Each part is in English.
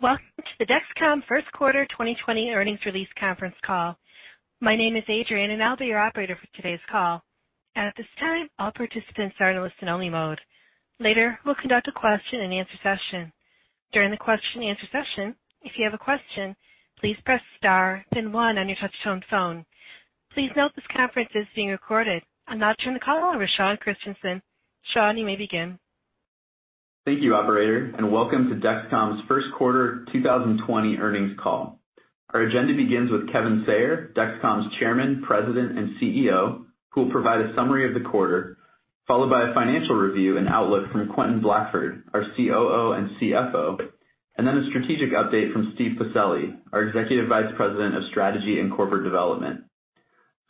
Welcome to the Dexcom first quarter 2020 earnings release conference call. My name is Adrienne, and I'll be your operator for today's call. At this time, all participants are in listen-only mode. Later, we'll conduct a question and answer session. During the question and answer session, if you have a question, please press star then one on your touchtone phone. Please note this conference is being recorded. I'll now turn the call over Sean Christensen. Sean, you may begin. Thank you, operator, and welcome to Dexcom's first quarter 2020 earnings call. Our agenda begins with Kevin Sayer, Dexcom's Chairman, President, and CEO, who will provide a summary of the quarter, followed by a financial review and outlook from Quentin Blackford, our COO and CFO, and then a strategic update from Steve Pacelli, our Executive Vice President of Strategy and Corporate Development.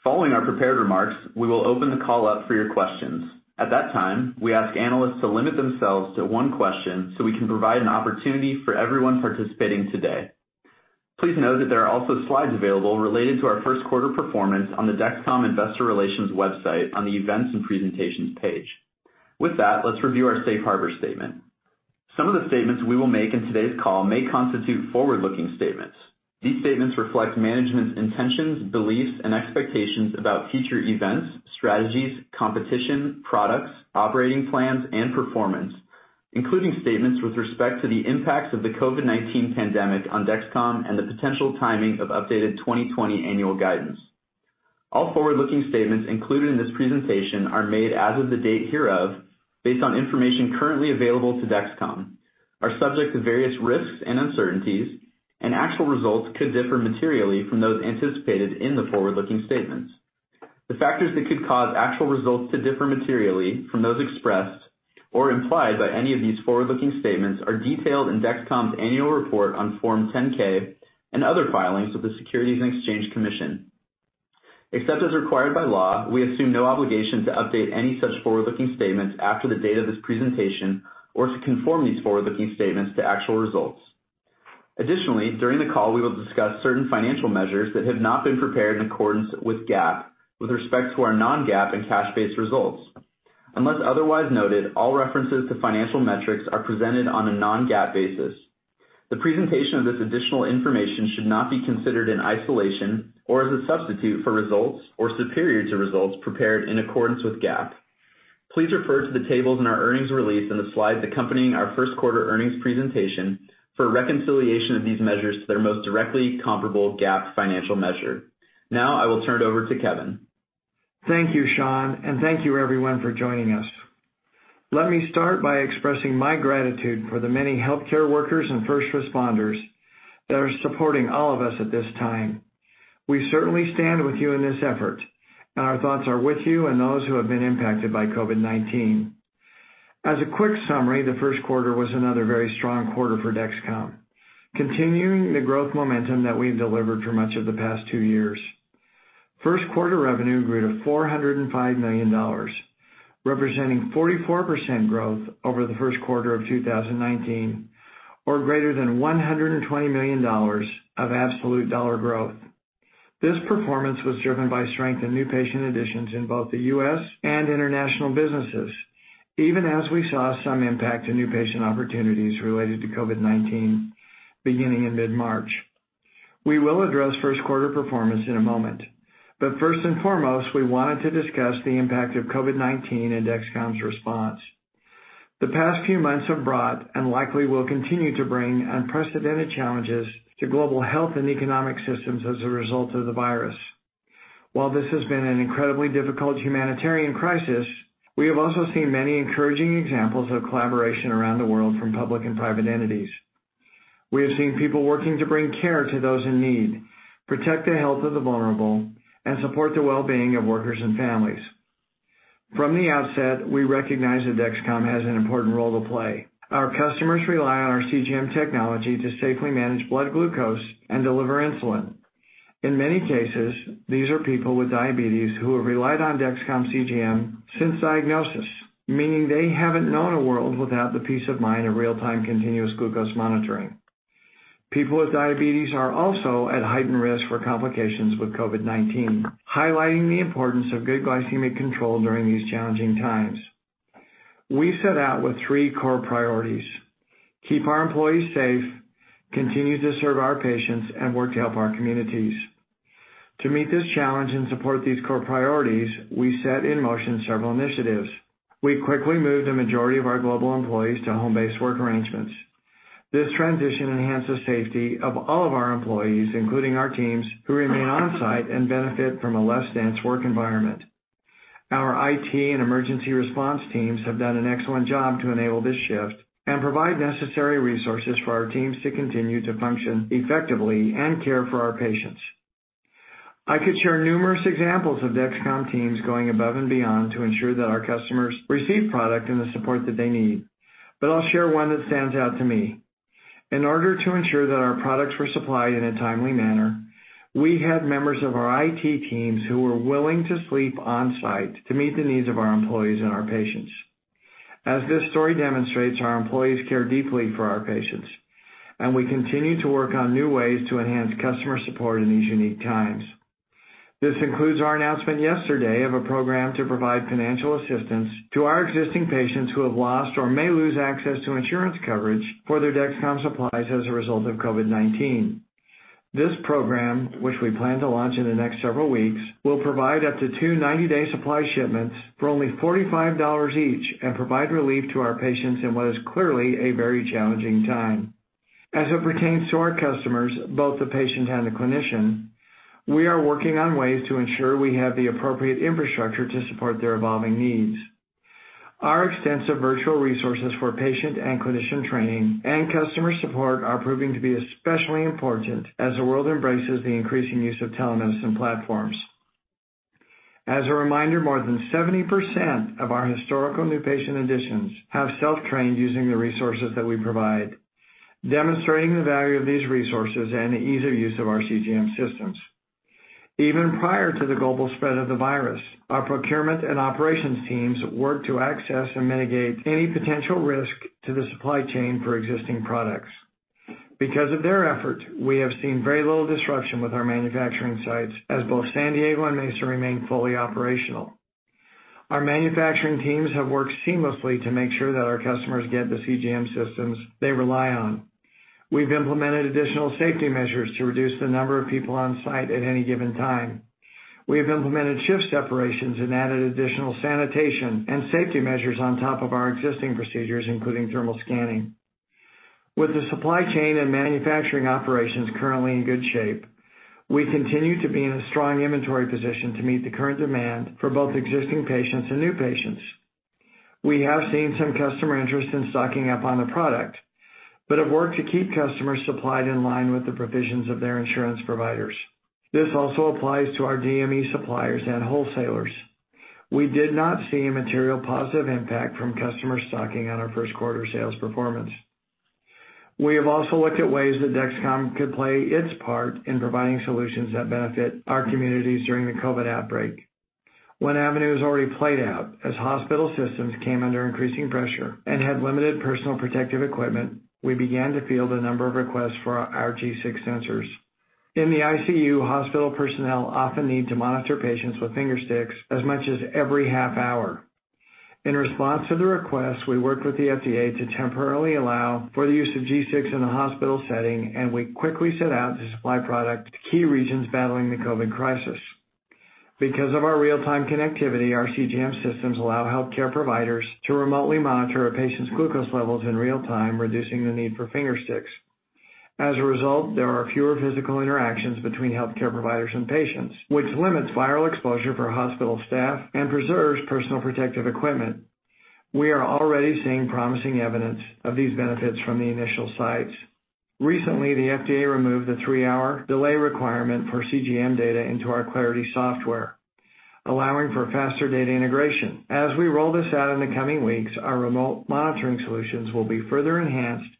Following our prepared remarks, we will open the call up for your questions. At that time, we ask analysts to limit themselves to one question so we can provide an opportunity for everyone participating today. Please note that there are also slides available related to our first quarter performance on the Dexcom Investor Relations website on the Events and Presentations page. With that, let's review our safe harbor statement. Some of the statements we will make in today's call may constitute forward-looking statements. These statements reflect management's intentions, beliefs, and expectations about future events, strategies, competition, products, operating plans, and performance, including statements with respect to the impacts of the COVID-19 pandemic on Dexcom and the potential timing of updated 2020 annual guidance. All forward-looking statements included in this presentation are made as of the date hereof based on information currently available to Dexcom, are subject to various risks and uncertainties, and actual results could differ materially from those anticipated in the forward-looking statements. The factors that could cause actual results to differ materially from those expressed or implied by any of these forward-looking statements are detailed in Dexcom's annual report on Form 10-K and other filings with the Securities and Exchange Commission. Except as required by law, we assume no obligation to update any such forward-looking statements after the date of this presentation or to conform these forward-looking statements to actual results. Additionally, during the call, we will discuss certain financial measures that have not been prepared in accordance with GAAP with respect to our non-GAAP and cash-based results. Unless otherwise noted, all references to financial metrics are presented on a non-GAAP basis. The presentation of this additional information should not be considered in isolation or as a substitute for results or superior to results prepared in accordance with GAAP. Please refer to the tables in our earnings release and the slides accompanying our first quarter earnings presentation for a reconciliation of these measures to their most directly comparable GAAP financial measure. Now I will turn it over to Kevin. Thank you, Sean, and thank you everyone for joining us. Let me start by expressing my gratitude for the many healthcare workers and first responders that are supporting all of us at this time. We certainly stand with you in this effort, and our thoughts are with you and those who have been impacted by COVID-19. As a quick summary, the first quarter was another very strong quarter for Dexcom, continuing the growth momentum that we've delivered for much of the past two years. First quarter revenue grew to $405 million, representing 44% growth over the first quarter of 2019, or greater than $120 million of absolute dollar growth. This performance was driven by strength in new patient additions in both the U.S. and international businesses, even as we saw some impact to new patient opportunities related to COVID-19 beginning in mid-March. We will address first quarter performance in a moment. First and foremost, we wanted to discuss the impact of COVID-19 and Dexcom's response. The past few months have brought and likely will continue to bring unprecedented challenges to global health and economic systems as a result of the virus. While this has been an incredibly difficult humanitarian crisis, we have also seen many encouraging examples of collaboration around the world from public and private entities. We have seen people working to bring care to those in need, protect the health of the vulnerable, and support the well-being of workers and families. From the outset, we recognized that Dexcom has an important role to play. Our customers rely on our CGM technology to safely manage blood glucose and deliver insulin. In many cases, these are people with diabetes who have relied on Dexcom CGM since diagnosis, meaning they haven't known a world without the peace of mind of real-time continuous glucose monitoring. People with diabetes are also at heightened risk for complications with COVID-19, highlighting the importance of good glycemic control during these challenging times. We set out with three core priorities. Keep our employees safe, continue to serve our patients, and work to help our communities. To meet this challenge and support these core priorities, we set in motion several initiatives. We quickly moved a majority of our global employees to home-based work arrangements. This transition enhances safety of all of our employees, including our teams who remain on-site and benefit from a less dense work environment. Our IT and emergency response teams have done an excellent job to enable this shift and provide necessary resources for our teams to continue to function effectively and care for our patients. I could share numerous examples of Dexcom teams going above and beyond to ensure that our customers receive product and the support that they need, but I'll share one that stands out to me. In order to ensure that our products were supplied in a timely manner, we had members of our IT teams who were willing to sleep on-site to meet the needs of our employees and our patients. As this story demonstrates, our employees care deeply for our patients, and we continue to work on new ways to enhance customer support in these unique times. This includes our announcement yesterday of a program to provide financial assistance to our existing patients who have lost or may lose access to insurance coverage for their Dexcom supplies as a result of COVID-19. This program, which we plan to launch in the next several weeks, will provide up to two 90-day supply shipments for only $45 each and provide relief to our patients in what is clearly a very challenging time. As it pertains to our customers, both the patient and the clinician, we are working on ways to ensure we have the appropriate infrastructure to support their evolving needs. Our extensive virtual resources for patient and clinician training and customer support are proving to be especially important as the world embraces the increasing use of telemedicine platforms. As a reminder, more than 70% of our historical new patient additions have self-trained using the resources that we provide, demonstrating the value of these resources and the ease of use of our CGM systems. Even prior to the global spread of the virus, our procurement and operations teams worked to access and mitigate any potential risk to the supply chain for existing products. Because of their effort, we have seen very little disruption with our manufacturing sites, as both San Diego and Mesa remain fully operational. Our manufacturing teams have worked seamlessly to make sure that our customers get the CGM systems they rely on. We've implemented additional safety measures to reduce the number of people on-site at any given time. We have implemented shift separations and added additional sanitation and safety measures on top of our existing procedures, including thermal scanning. With the supply chain and manufacturing operations currently in good shape, we continue to be in a strong inventory position to meet the current demand for both existing patients and new patients. We have seen some customer interest in stocking up on the product, but have worked to keep customers supplied in line with the provisions of their insurance providers. This also applies to our DME suppliers and wholesalers. We did not see a material positive impact from customer stocking on our first quarter sales performance. We have also looked at ways that Dexcom could play its part in providing solutions that benefit our communities during the COVID-19 outbreak. One avenue has already played out. As hospital systems came under increasing pressure and had limited personal protective equipment, we began to field a number of requests for our G6 sensors. In the ICU, hospital personnel often need to monitor patients with finger sticks as much as every half hour. In response to the request, we worked with the FDA to temporarily allow for the use of G6 in a hospital setting, and we quickly set out to supply product to key regions battling the COVID crisis. Because of our real-time connectivity, our CGM systems allow healthcare providers to remotely monitor a patient's glucose levels in real time, reducing the need for finger sticks. As a result, there are fewer physical interactions between healthcare providers and patients, which limits viral exposure for hospital staff and preserves personal protective equipment. We are already seeing promising evidence of these benefits from the initial sites. Recently, the FDA removed the three-hour delay requirement for CGM data into our Clarity software, allowing for faster data integration. As we roll this out in the coming weeks, our remote monitoring solutions will be further enhanced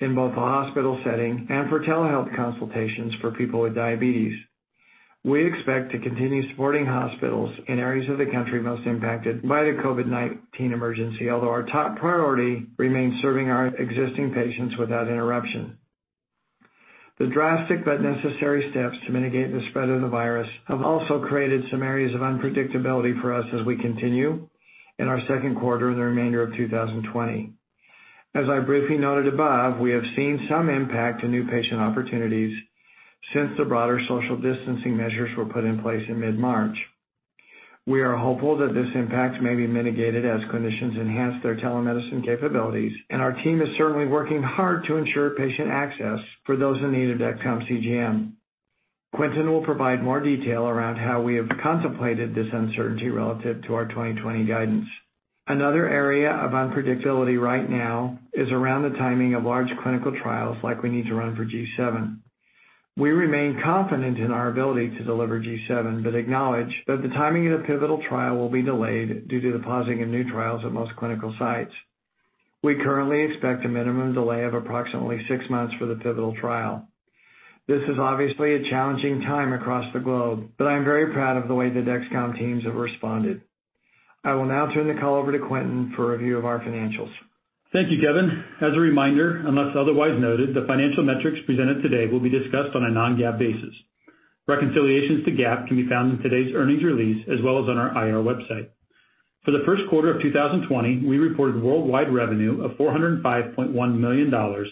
in both the hospital setting and for telehealth consultations for people with diabetes. We expect to continue supporting hospitals in areas of the country most impacted by the COVID-19 emergency, although our top priority remains serving our existing patients without interruption. The drastic but necessary steps to mitigate the spread of the virus have also created some areas of unpredictability for us as we continue in our second quarter and the remainder of 2020. As I briefly noted above, we have seen some impact to new patient opportunities since the broader social distancing measures were put in place in mid-March. We are hopeful that this impact may be mitigated as clinicians enhance their telemedicine capabilities, and our team is certainly working hard to ensure patient access for those in need of Dexcom CGM. Quentin will provide more detail around how we have contemplated this uncertainty relative to our 2020 guidance. Another area of unpredictability right now is around the timing of large clinical trials like we need to run for G7. We remain confident in our ability to deliver G7, but acknowledge that the timing of the pivotal trial will be delayed due to the pausing of new trials at most clinical sites. We currently expect a minimum delay of approximately six months for the pivotal trial. This is obviously a challenging time across the globe, but I am very proud of the way the Dexcom teams have responded. I will now turn the call over to Quentin for a review of our financials. Thank you, Kevin. As a reminder, unless otherwise noted, the financial metrics presented today will be discussed on a non-GAAP basis. Reconciliations to GAAP can be found in today's earnings release, as well as on our IR website. For the first quarter of 2020, we reported worldwide revenue of $405.1 million,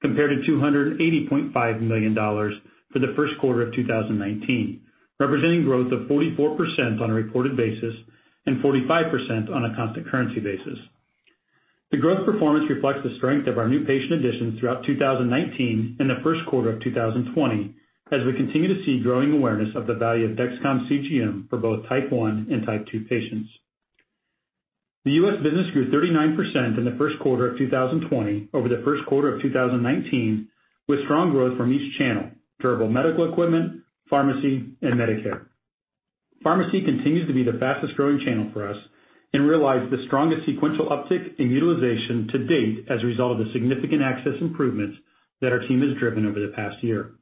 compared to $280.5 million for the first quarter of 2019, representing growth of 44% on a reported basis and 45% on a constant currency basis. The growth performance reflects the strength of our new patient additions throughout 2019 and the first quarter of 2020 as we continue to see growing awareness of the value of Dexcom CGM for both Type 1 and Type 2 patients. The U.S. business grew 39% in the first quarter of 2020 over the first quarter of 2019, with strong growth from each channel, durable medical equipment, pharmacy, and Medicare. Pharmacy continues to be the fastest-growing channel for us and realized the strongest sequential uptick in utilization to date as a result of the significant access improvements that our team has driven over the past year.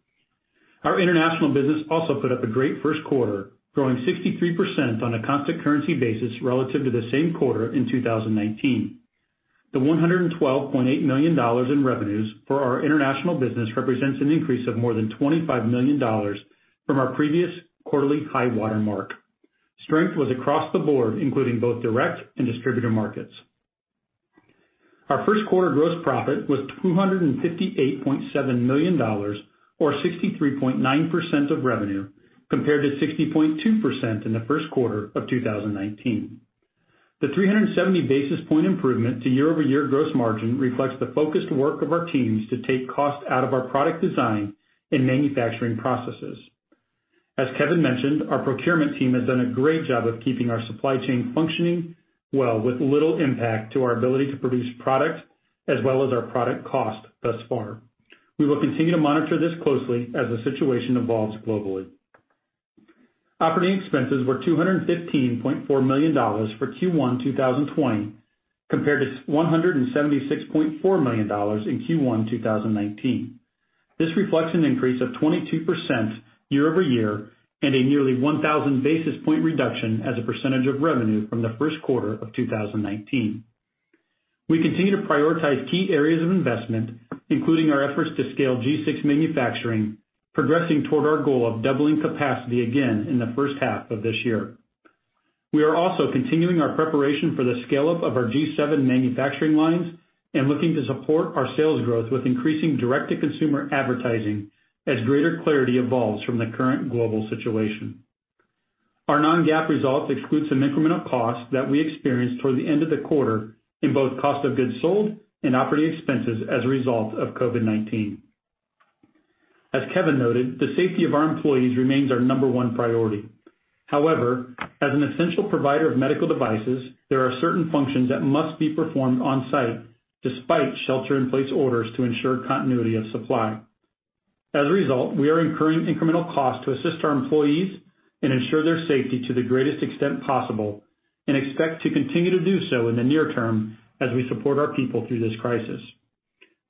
Our international business also put up a great first quarter, growing 63% on a constant currency basis relative to the same quarter in 2019. The $112.8 million in revenues for our international business represents an increase of more than $25 million from our previous quarterly high water mark. Strength was across the board, including both direct and distributor markets. Our first quarter gross profit was $258.7 million, or 63.9% of revenue, compared to 60.2% in the first quarter of 2019. The 370 basis point improvement to year-over-year gross margin reflects the focused work of our teams to take costs out of our product design and manufacturing processes. As Kevin mentioned, our procurement team has done a great job of keeping our supply chain functioning well with little impact to our ability to produce product as well as our product cost thus far. We will continue to monitor this closely as the situation evolves globally. Operating expenses were $215.4 million for Q1 2020, compared to $176.4 million in Q1 2019. This reflects an increase of 22% year-over-year and a nearly 1,000 basis point reduction as a percentage of revenue from the first quarter of 2019. We continue to prioritize key areas of investment, including our efforts to scale G6 manufacturing, progressing toward our goal of doubling capacity again in the first half of this year. We are also continuing our preparation for the scale-up of our G7 manufacturing lines and looking to support our sales growth with increasing direct-to-consumer advertising as greater clarity evolves from the current global situation. Our non-GAAP results exclude some incremental costs that we experienced toward the end of the quarter in both cost of goods sold and operating expenses as a result of COVID-19. As Kevin noted, the safety of our employees remains our number one priority. However, as an essential provider of medical devices, there are certain functions that must be performed on-site despite shelter-in-place orders to ensure continuity of supply. As a result, we are incurring incremental costs to assist our employees and ensure their safety to the greatest extent possible and expect to continue to do so in the near term as we support our people through this crisis.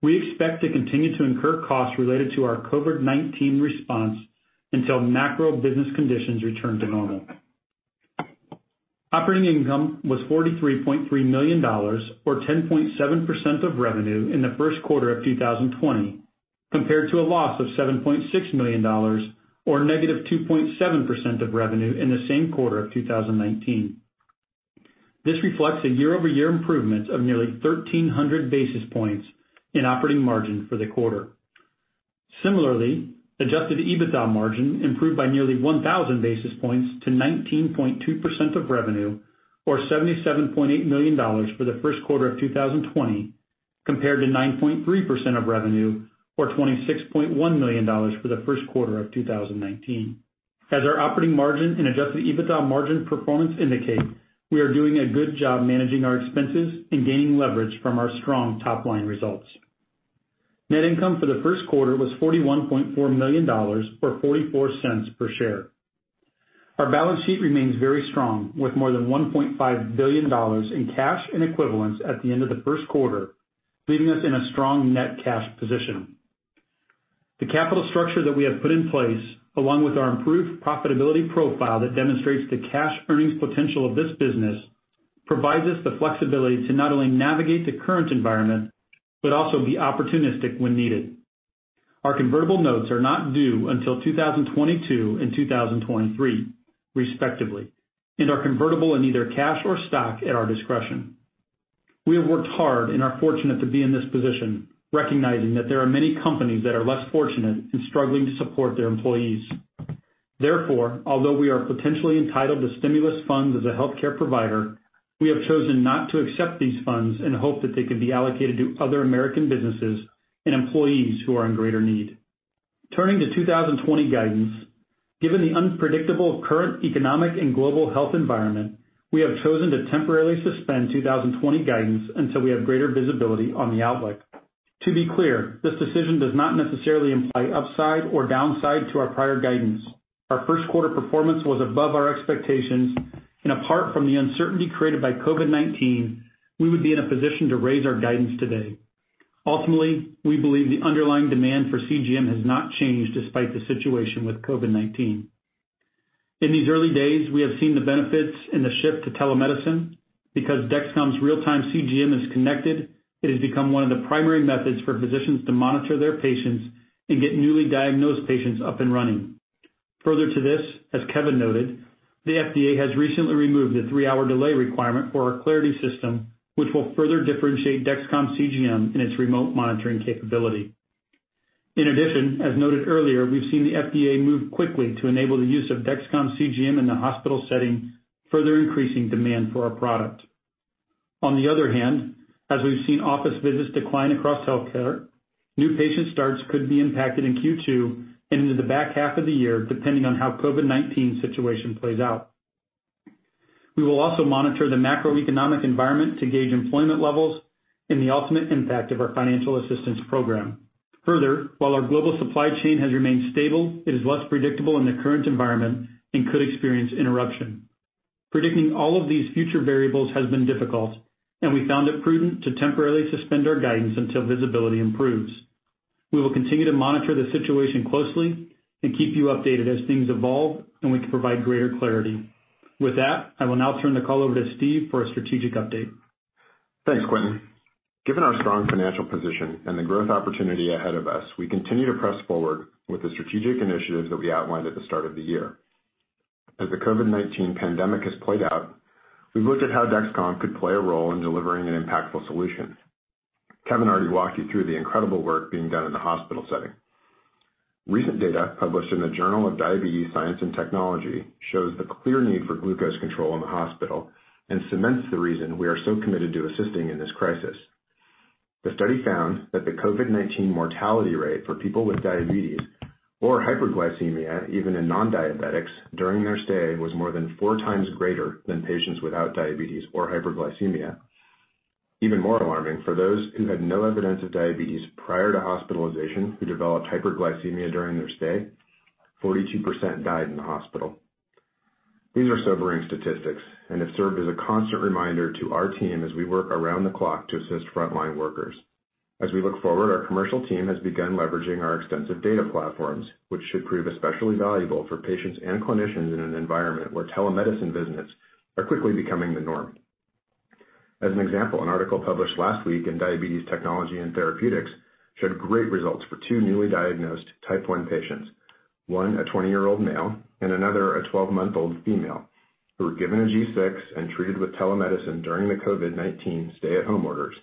We expect to continue to incur costs related to our COVID-19 response until macro business conditions return to normal. Operating income was $43.3 million, or 10.7% of revenue, in the first quarter of 2020, compared to a loss of $7.6 million, or -2.7% of revenue in the same quarter of 2019. This reflects a year-over-year improvement of nearly 1,300 basis points in operating margin for the quarter. Similarly, adjusted EBITDA margin improved by nearly 1,000 basis points to 19.2% of revenue, or $77.8 million for the first quarter of 2020, compared to 9.3% of revenue, or $26.1 million for the first quarter of 2019. As our operating margin and adjusted EBITDA margin performance indicate, we are doing a good job managing our expenses and gaining leverage from our strong top-line results. Net income for the first quarter was $41.4 million, or $0.44 per share. Our balance sheet remains very strong, with more than $1.5 billion in cash and equivalents at the end of the first quarter, leaving us in a strong net cash position. The capital structure that we have put in place, along with our improved profitability profile that demonstrates the cash earnings potential of this business, provides us the flexibility to not only navigate the current environment, but also be opportunistic when needed. Our convertible notes are not due until 2022 and 2023, respectively, and are convertible in either cash or stock at our discretion. We have worked hard and are fortunate to be in this position, recognizing that there are many companies that are less fortunate and struggling to support their employees. Although we are potentially entitled to stimulus funds as a healthcare provider, we have chosen not to accept these funds in hope that they could be allocated to other American businesses and employees who are in greater need. Turning to 2020 guidance. Given the unpredictable current economic and global health environment, we have chosen to temporarily suspend 2020 guidance until we have greater visibility on the outlook. To be clear, this decision does not necessarily imply upside or downside to our prior guidance. Our first quarter performance was above our expectations, and apart from the uncertainty created by COVID-19, we would be in a position to raise our guidance today. Ultimately, we believe the underlying demand for CGM has not changed despite the situation with COVID-19. In these early days, we have seen the benefits in the shift to telemedicine. Because Dexcom's real-time CGM is connected, it has become one of the primary methods for physicians to monitor their patients and get newly diagnosed patients up and running. Further to this, as Kevin noted, the FDA has recently removed the three-hour delay requirement for our Clarity system, which will further differentiate Dexcom CGM in its remote monitoring capability. In addition, as noted earlier, we've seen the FDA move quickly to enable the use of Dexcom CGM in the hospital setting, further increasing demand for our product. On the other hand, as we've seen office visits decline across healthcare, new patient starts could be impacted in Q2 and into the back half of the year, depending on how COVID-19 situation plays out. We will also monitor the macroeconomic environment to gauge employment levels and the ultimate impact of our financial assistance program. Further, while our global supply chain has remained stable, it is less predictable in the current environment and could experience interruption. Predicting all of these future variables has been difficult, and we found it prudent to temporarily suspend our guidance until visibility improves. We will continue to monitor the situation closely and keep you updated as things evolve, and we can provide greater clarity. With that, I will now turn the call over to Steve for a strategic update. Thanks, Quentin. Given our strong financial position and the growth opportunity ahead of us, we continue to press forward with the strategic initiatives that we outlined at the start of the year. As the COVID-19 pandemic has played out, we've looked at how Dexcom could play a role in delivering an impactful solution. Kevin already walked you through the incredible work being done in the hospital setting. Recent data published in the Journal of Diabetes Science and Technology shows the clear need for glucose control in the hospital and cements the reason we are so committed to assisting in this crisis. The study found that the COVID-19 mortality rate for people with diabetes or hyperglycemia, even in non-diabetics, during their stay was more than 4x greater than patients without diabetes or hyperglycemia. Even more alarming, for those who had no evidence of diabetes prior to hospitalization who developed hyperglycemia during their stay, 42% died in the hospital. These are sobering statistics and have served as a constant reminder to our team as we work around the clock to assist frontline workers. As we look forward, our commercial team has begun leveraging our extensive data platforms, which should prove especially valuable for patients and clinicians in an environment where telemedicine visits are quickly becoming the norm. As an example, an article published last week in Diabetes Technology and Therapeutics showed great results for two newly diagnosed Type 1 patients. One, a 20-year-old male, and another, a 12-month-old female, who were given a G6 and treated with telemedicine during the COVID-19 stay-at-home orders.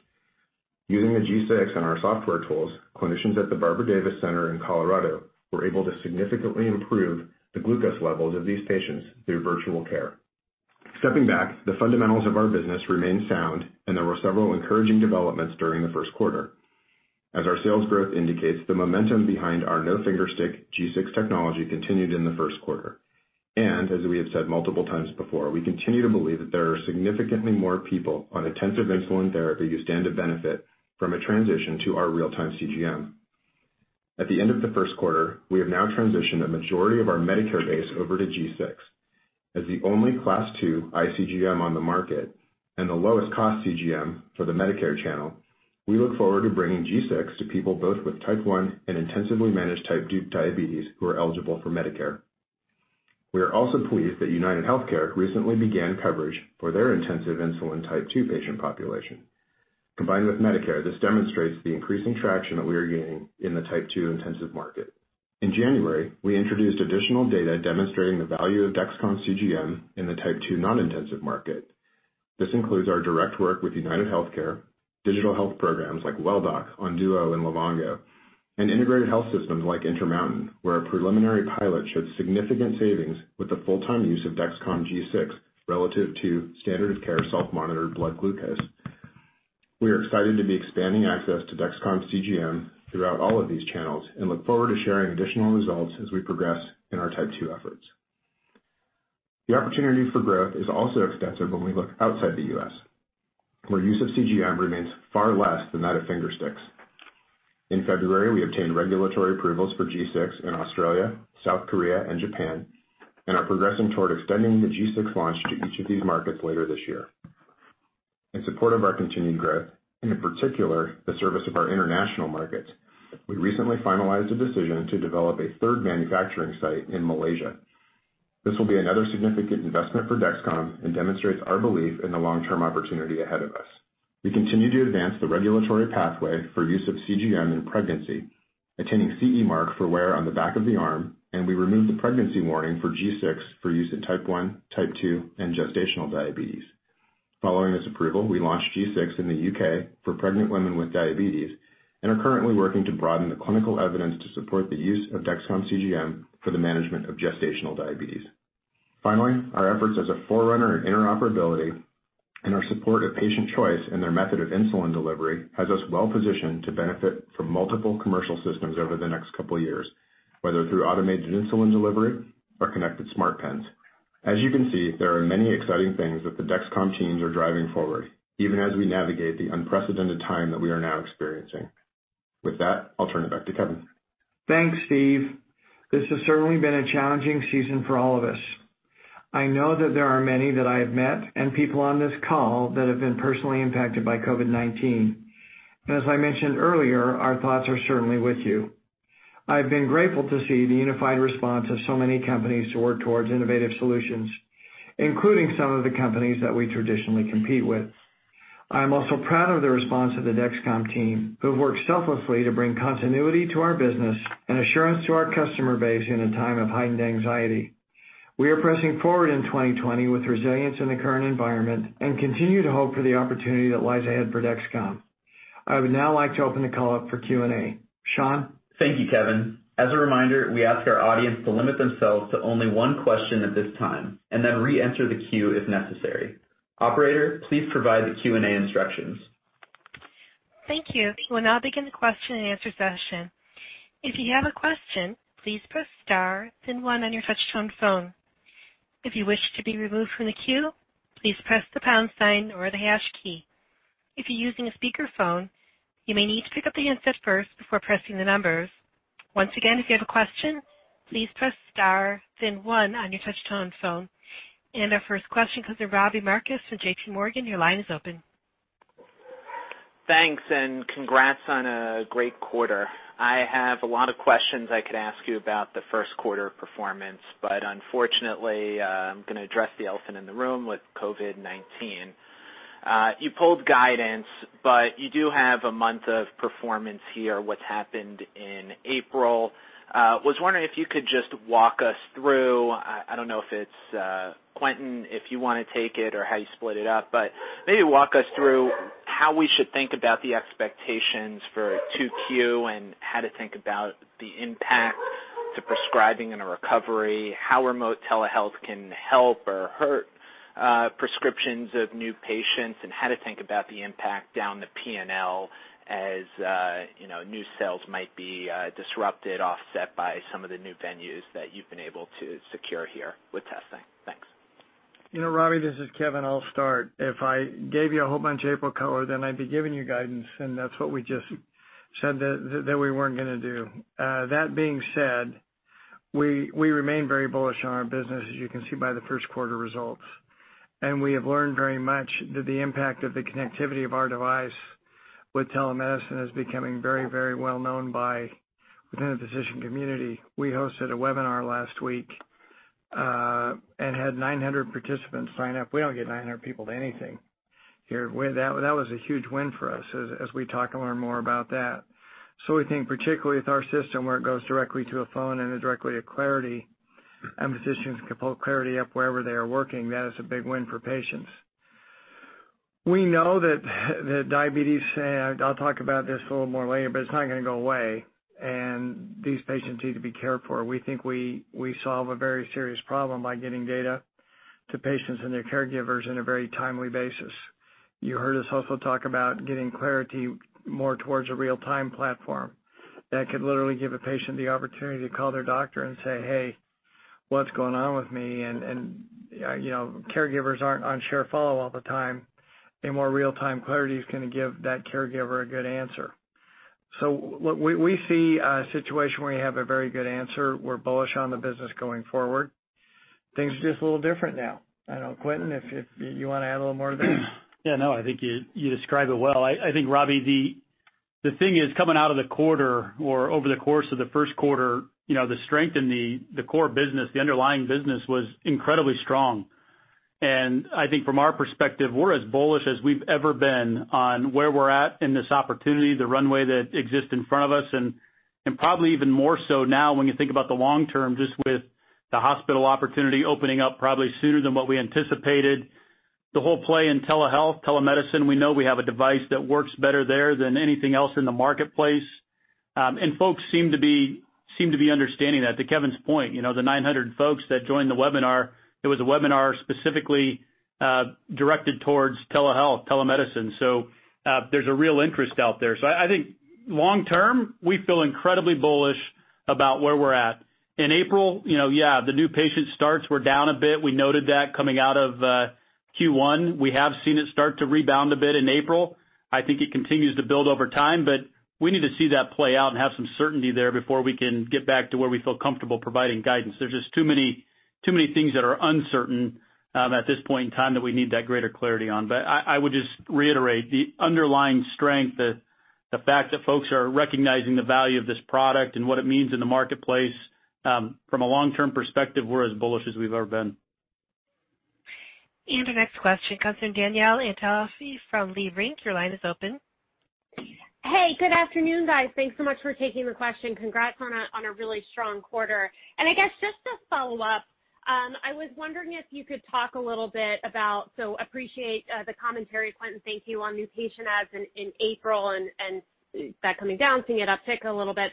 Using the G6 and our software tools, clinicians at the Barbara Davis Center in Colorado were able to significantly improve the glucose levels of these patients through virtual care. Stepping back, the fundamentals of our business remain sound, and there were several encouraging developments during the first quarter. As our sales growth indicates, the momentum behind our no finger stick G6 technology continued in the first quarter. As we have said multiple times before, we continue to believe that there are significantly more people on intensive insulin therapy who stand to benefit from a transition to our real-time CGM. At the end of the first quarter, we have now transitioned a majority of our Medicare base over to G6. As the only Class 2 iCGM on the market and the lowest cost CGM for the Medicare channel, we look forward to bringing G6 to people both with Type 1 and intensively managed Type 2 diabetes who are eligible for Medicare. We are also pleased that UnitedHealthcare recently began coverage for their intensive insulin Type 2 patient population. Combined with Medicare, this demonstrates the increasing traction that we are gaining in the Type 2 intensive market. In January, we introduced additional data demonstrating the value of Dexcom CGM in the Type 2 non-intensive market. This includes our direct work with UnitedHealthcare, digital health programs like Welldoc, Onduo, and Livongo, and integrated health systems like Intermountain, where a preliminary pilot showed significant savings with the full-time use of Dexcom G6 relative to standard of care self-monitored blood glucose. We are excited to be expanding access to Dexcom CGM throughout all of these channels and look forward to sharing additional results as we progress in our Type 2 efforts. The opportunity for growth is also extensive when we look outside the U.S., where use of CGM remains far less than that of finger sticks. In February, we obtained regulatory approvals for G6 in Australia, South Korea, and Japan, and are progressing toward extending the G6 launch to each of these markets later this year. In support of our continued growth, and in particular, the service of our international markets, we recently finalized a decision to develop a third manufacturing site in Malaysia. This will be another significant investment for Dexcom and demonstrates our belief in the long-term opportunity ahead of us. We continue to advance the regulatory pathway for use of CGM in pregnancy, attaining CE mark for wear on the back of the arm, and we removed the pregnancy warning for G6 for use in Type 1, Type 2, and gestational diabetes. Following this approval, we launched G6 in the U.K. for pregnant women with diabetes and are currently working to broaden the clinical evidence to support the use of Dexcom CGM for the management of gestational diabetes. Finally, our efforts as a forerunner in interoperability and our support of patient choice in their method of insulin delivery has us well positioned to benefit from multiple commercial systems over the next couple of years, whether through automated insulin delivery or connected smart pens. As you can see, there are many exciting things that the Dexcom teams are driving forward, even as we navigate the unprecedented time that we are now experiencing. With that, I'll turn it back to Kevin. Thanks, Steve. This has certainly been a challenging season for all of us. I know that there are many that I have met and people on this call that have been personally impacted by COVID-19. As I mentioned earlier, our thoughts are certainly with you. I've been grateful to see the unified response of so many companies to work towards innovative solutions, including some of the companies that we traditionally compete with. I am also proud of the response of the Dexcom team, who have worked selflessly to bring continuity to our business and assurance to our customer base in a time of heightened anxiety. We are pressing forward in 2020 with resilience in the current environment and continue to hope for the opportunity that lies ahead for Dexcom. I would now like to open the call up for Q&A. Sean? Thank you, Kevin. As a reminder, we ask our audience to limit themselves to only one question at this time, and then reenter the queue if necessary. Operator, please provide the Q&A instructions. Thank you. We'll now begin the question-and-answer session. If you have a question, please press star then one on your touchtone phone. If you wish to be removed from the queue, please press the pound sign or the hash key. If you're using a speakerphone, you may need to pick up the handset first before pressing the numbers. Once again, if you have a question, please press star then one on your touch-tone phone. Our first question comes from Robbie Marcus from JPMorgan. Your line is open. Thanks, and congrats on a great quarter. I have a lot of questions I could ask you about the first quarter performance, but unfortunately, I'm going to address the elephant in the room with COVID-19. You pulled guidance, but you do have a month of performance here, what's happened in April? Was wondering if you could just walk us through, I don't know if it's Quentin, if you want to take it or how you split it up, but maybe walk us through how we should think about the expectations for 2Q and how to think about the impact to prescribing in a recovery, how remote telehealth can help or hurt prescriptions of new patients, and how to think about the impact down the P&L as new sales might be disrupted, offset by some of the new venues that you've been able to secure here with testing. Thanks. Robbie, this is Kevin. I'll start. If I gave you a whole bunch of April color, then I'd be giving you guidance, and that's what we just said that we weren't going to do. That being said, we remain very bullish on our business, as you can see by the first quarter results. We have learned very much that the impact of the connectivity of our device with telemedicine is becoming very well known within the physician community. We hosted a webinar last week and had 900 participants sign up. We don't get 900 people to anything here. That was a huge win for us as we talk and learn more about that. We think, particularly with our system, where it goes directly to a phone and then directly to Clarity, and physicians can pull Clarity up wherever they are working, that is a big win for patients. We know that diabetes, I'll talk about this a little more later, but it's not going to go away, and these patients need to be cared for. We think we solve a very serious problem by getting data to patients and their caregivers in a very timely basis. You heard us also talk about getting Clarity more towards a real-time platform. That could literally give a patient the opportunity to call their doctor and say, "Hey, what's going on with me?" Caregivers aren't on share follow all the time. A more real-time Clarity is going to give that caregiver a good answer. We see a situation where you have a very good answer. We're bullish on the business going forward. Things are just a little different now. I don't know, Quentin, if you want to add a little more to this? Yeah, no, I think you described it well. I think, Robbie, the thing is, coming out of the quarter or over the course of the first quarter, the strength in the core business, the underlying business was incredibly strong. I think from our perspective, we're as bullish as we've ever been on where we're at in this opportunity, the runway that exists in front of us, and probably even more so now when you think about the long term, just with the hospital opportunity opening up probably sooner than what we anticipated. The whole play in telehealth, telemedicine, we know we have a device that works better there than anything else in the marketplace. Folks seem to be understanding that. To Kevin's point, the 900 folks that joined the webinar, it was a webinar specifically directed towards telehealth, telemedicine. There's a real interest out there. I think long term, we feel incredibly bullish about where we're at. In April, yeah, the new patient starts were down a bit. We noted that coming out of Q1. We have seen it start to rebound a bit in April. I think it continues to build over time, but we need to see that play out and have some certainty there before we can get back to where we feel comfortable providing guidance. There's just too many things that are uncertain at this point in time that we need that greater clarity on. I would just reiterate the underlying strength, the fact that folks are recognizing the value of this product and what it means in the marketplace. From a long-term perspective, we're as bullish as we've ever been. Our next question comes from Danielle Antalffy from Leerink. Your line is open. Hey, good afternoon, guys. Thanks so much for taking the question. Congrats on a really strong quarter. I guess just to follow up, I was wondering if you could talk a little bit so appreciate the commentary, Quentin, thank you, on new patient adds in April and that coming down, seeing it uptick a little bit.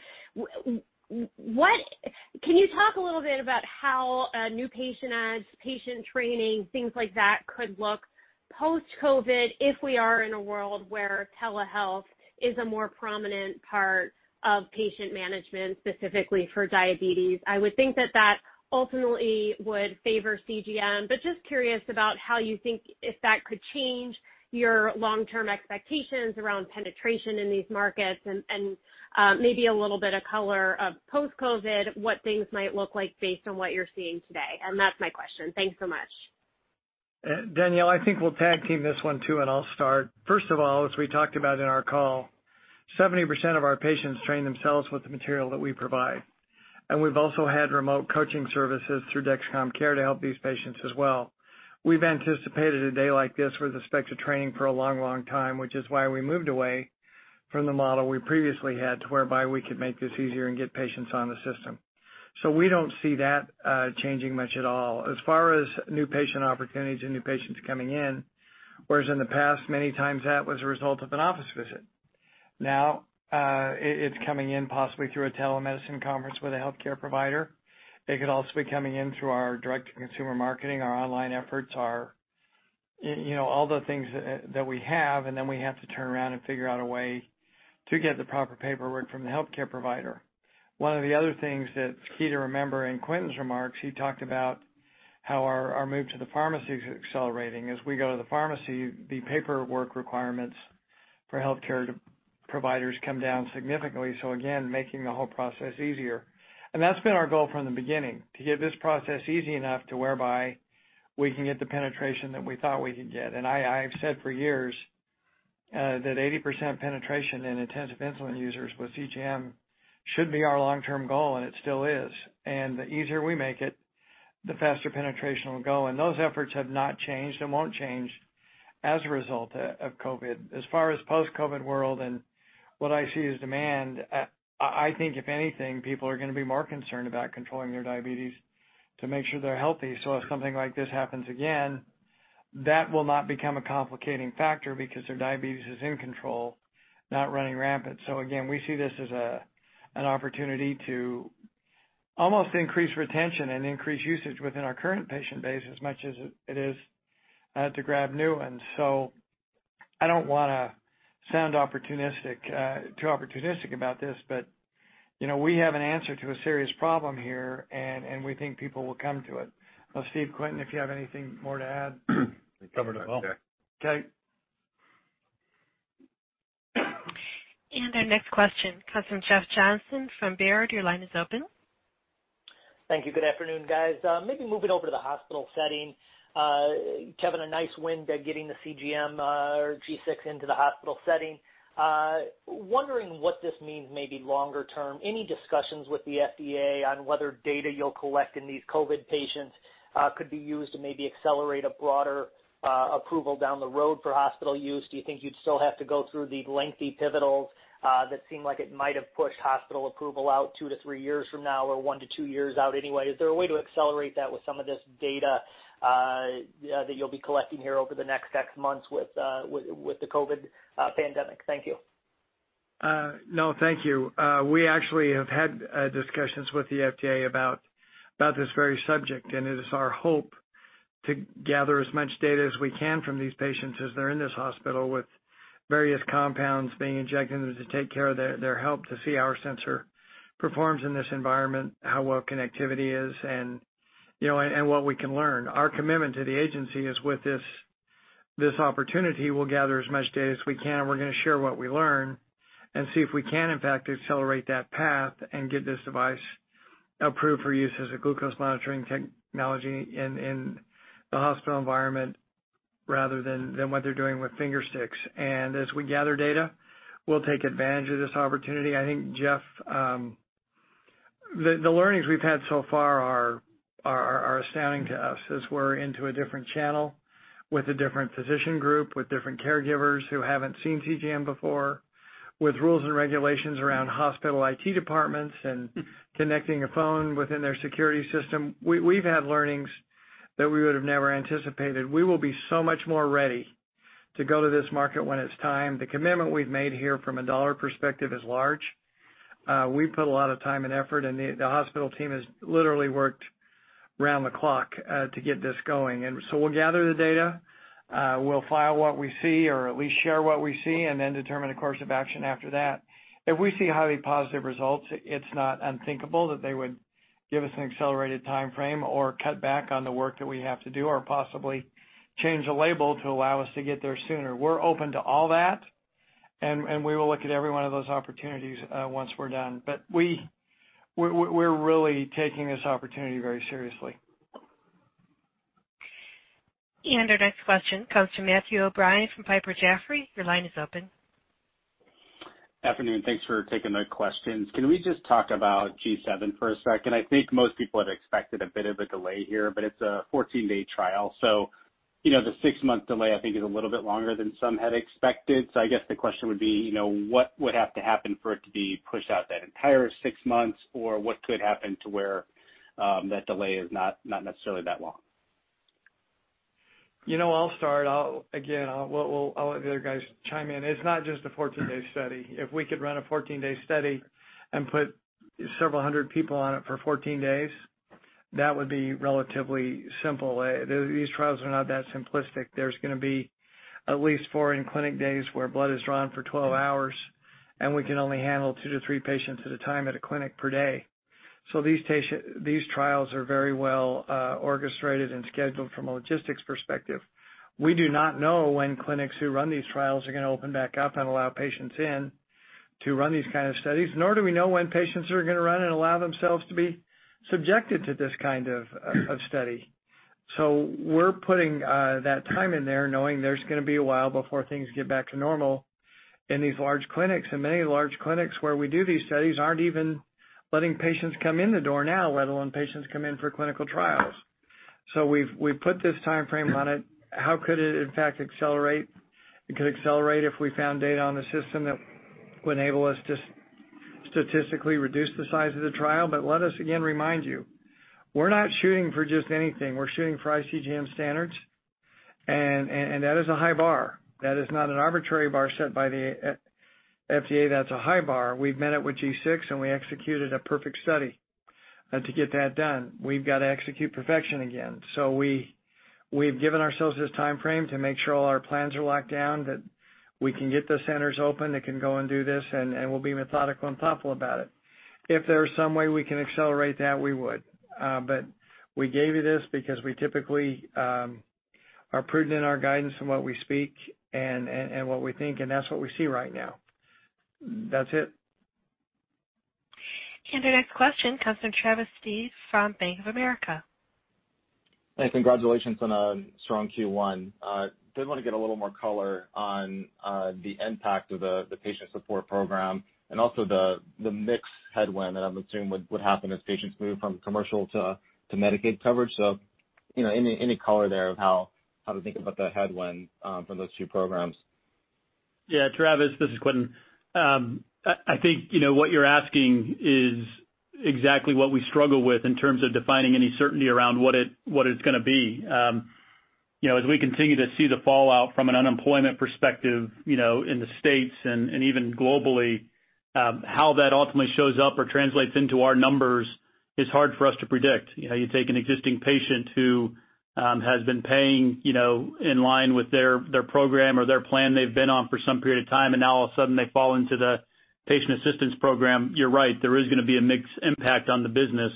Can you talk a little bit about how new patient adds, patient training, things like that could look post-COVID if we are in a world where telehealth is a more prominent part of patient management, specifically for diabetes? I would think that that ultimately would favor CGM, but just curious about how you think if that could change your long-term expectations around penetration in these markets and maybe a little bit of color of post-COVID, what things might look like based on what you're seeing today. That's my question. Thanks so much. Danielle, I think we'll tag-team this one, too, and I'll start. First of all, as we talked about in our call, 70% of our patients train themselves with the material that we provide. We've also had remote coaching services through Dexcom Care to help these patients as well. We've anticipated a day like this with respect to training for a long time, which is why we moved away from the model we previously had to whereby we could make this easier and get patients on the system. We don't see that changing much at all. As far as new patient opportunities and new patients coming in, whereas in the past, many times that was a result of an office visit. Now, it's coming in possibly through a telemedicine conference with a healthcare provider. It could also be coming in through our direct-to-consumer marketing, our online efforts, all the things that we have, and then we have to turn around and figure out a way to get the proper paperwork from the healthcare provider. One of the other things that's key to remember in Quentin's remarks, he talked about how our move to the pharmacy is accelerating. As we go to the pharmacy, the paperwork requirements for healthcare providers come down significantly. Again, making the whole process easier. That's been our goal from the beginning, to get this process easy enough to whereby we can get the penetration that we thought we could get. I've said for years that 80% penetration in intensive insulin users with CGM should be our long-term goal, and it still is. The easier we make it, the faster penetration will go. Those efforts have not changed and won't change as a result of COVID. As far as post-COVID world and what I see as demand, I think if anything, people are going to be more concerned about controlling their diabetes to make sure they're healthy. If something like this happens again, that will not become a complicating factor because their diabetes is in control, not running rampant. Again, we see this as an opportunity to almost increase retention and increase usage within our current patient base as much as it is to grab new ones. I don't want to sound too opportunistic about this, but we have an answer to a serious problem here, and we think people will come to it. Steve, Quinn, if you have anything more to add. You covered it well. No, I'm good. Okay. Our next question comes from Jeff Johnson from Baird. Your line is open. Thank you. Good afternoon, guys. Maybe moving over to the hospital setting. You're having a nice win getting the CGM or G6 into the hospital setting. Wondering what this means maybe longer term. Any discussions with the FDA on whether data you'll collect in these COVID patients could be used to maybe accelerate a broader approval down the road for hospital use? Do you think you'd still have to go through the lengthy pivotal that seem like it might have pushed hospital approval out two to three years from now, or one to two years out anyway? Is there a way to accelerate that with some of this data that you'll be collecting here over the next X months with the COVID pandemic? Thank you. No, thank you. We actually have had discussions with the FDA about this very subject, and it is our hope to gather as much data as we can from these patients as they're in this hospital with various compounds being injected into them to take care of their health to see how our sensor performs in this environment, how well connectivity is, and what we can learn. Our commitment to the agency is with this opportunity, we'll gather as much data as we can, and we're going to share what we learn and see if we can, in fact, accelerate that path and get this device approved for use as a glucose monitoring technology in the hospital environment rather than what they're doing with finger sticks. As we gather data, we'll take advantage of this opportunity. I think, Jeff, the learnings we've had so far are astounding to us as we're into a different channel with a different physician group, with different caregivers who haven't seen CGM before, with rules and regulations around hospital IT departments and connecting a phone within their security system. We've had learnings that we would have never anticipated. We will be so much more ready to go to this market when it's time. The commitment we've made here from a dollar perspective is large. We've put a lot of time and effort, and the hospital team has literally worked around the clock to get this going. we'll gather the data, we'll file what we see or at least share what we see, and then determine a course of action after that. If we see highly positive results, it's not unthinkable that they would give us an accelerated timeframe or cut back on the work that we have to do, or possibly change the label to allow us to get there sooner. We're open to all that, and we will look at every one of those opportunities once we're done. We're really taking this opportunity very seriously. Our next question comes from Matthew O'Brien from Piper Sandler. Your line is open. Afternoon. Thanks for taking the questions. Can we just talk about G7 for a second? I think most people had expected a bit of a delay here, but it's a 14-day trial. The six-month delay, I think, is a little bit longer than some had expected. I guess the question would be, what would have to happen for it to be pushed out that entire six months? What could happen to where that delay is not necessarily that long? I'll start. Again, I'll let the other guys chime in. It's not just a 14-day study. If we could run a 14-day study and put several hundred people on it for 14 days, that would be relatively simple. These trials are not that simplistic. There's going to be at least four in-clinic days where blood is drawn for 12 hours, and we can only handle two to three patients at a time at a clinic per day. These trials are very well orchestrated and scheduled from a logistics perspective. We do not know when clinics who run these trials are going to open back up and allow patients in to run these kind of studies. Nor do we know when patients are going to run and allow themselves to be subjected to this kind of study. We're putting that time in there knowing there's going to be a while before things get back to normal in these large clinics. many large clinics where we do these studies aren't even letting patients come in the door now, let alone patients come in for clinical trials. we've put this timeframe on it. How could it, in fact, accelerate? It could accelerate if we found data on the system that would enable us to statistically reduce the size of the trial. let us again remind you, we're not shooting for just anything. We're shooting for iCGM standards, and that is a high bar. That is not an arbitrary bar set by the FDA. That's a high bar. We've met it with G6, and we executed a perfect study to get that done. We've got to execute perfection again. we We've given ourselves this timeframe to make sure all our plans are locked down, that we can get the centers open, they can go and do this, and we'll be methodical and thoughtful about it. If there's some way we can accelerate that, we would. We gave you this because we typically are prudent in our guidance and what we speak and what we think, and that's what we see right now. That's it. Our next question comes from Travis Steed from Bank of America. Hey, congratulations on a strong Q1. I did want to get a little more color on the impact of the patient support program and also the mix headwind that I'm assuming would happen as patients move from commercial to Medicaid coverage. Any color there of how to think about the headwind from those two programs? Yeah, Travis, this is Quentin. I think what you're asking is exactly what we struggle with in terms of defining any certainty around what it's going to be. As we continue to see the fallout from an unemployment perspective in the States and even globally, how that ultimately shows up or translates into our numbers is hard for us to predict. You take an existing patient who has been paying in line with their program or their plan they've been on for some period of time, and now all of a sudden they fall into the patient assistance program. You're right, there is going to be a mixed impact on the business.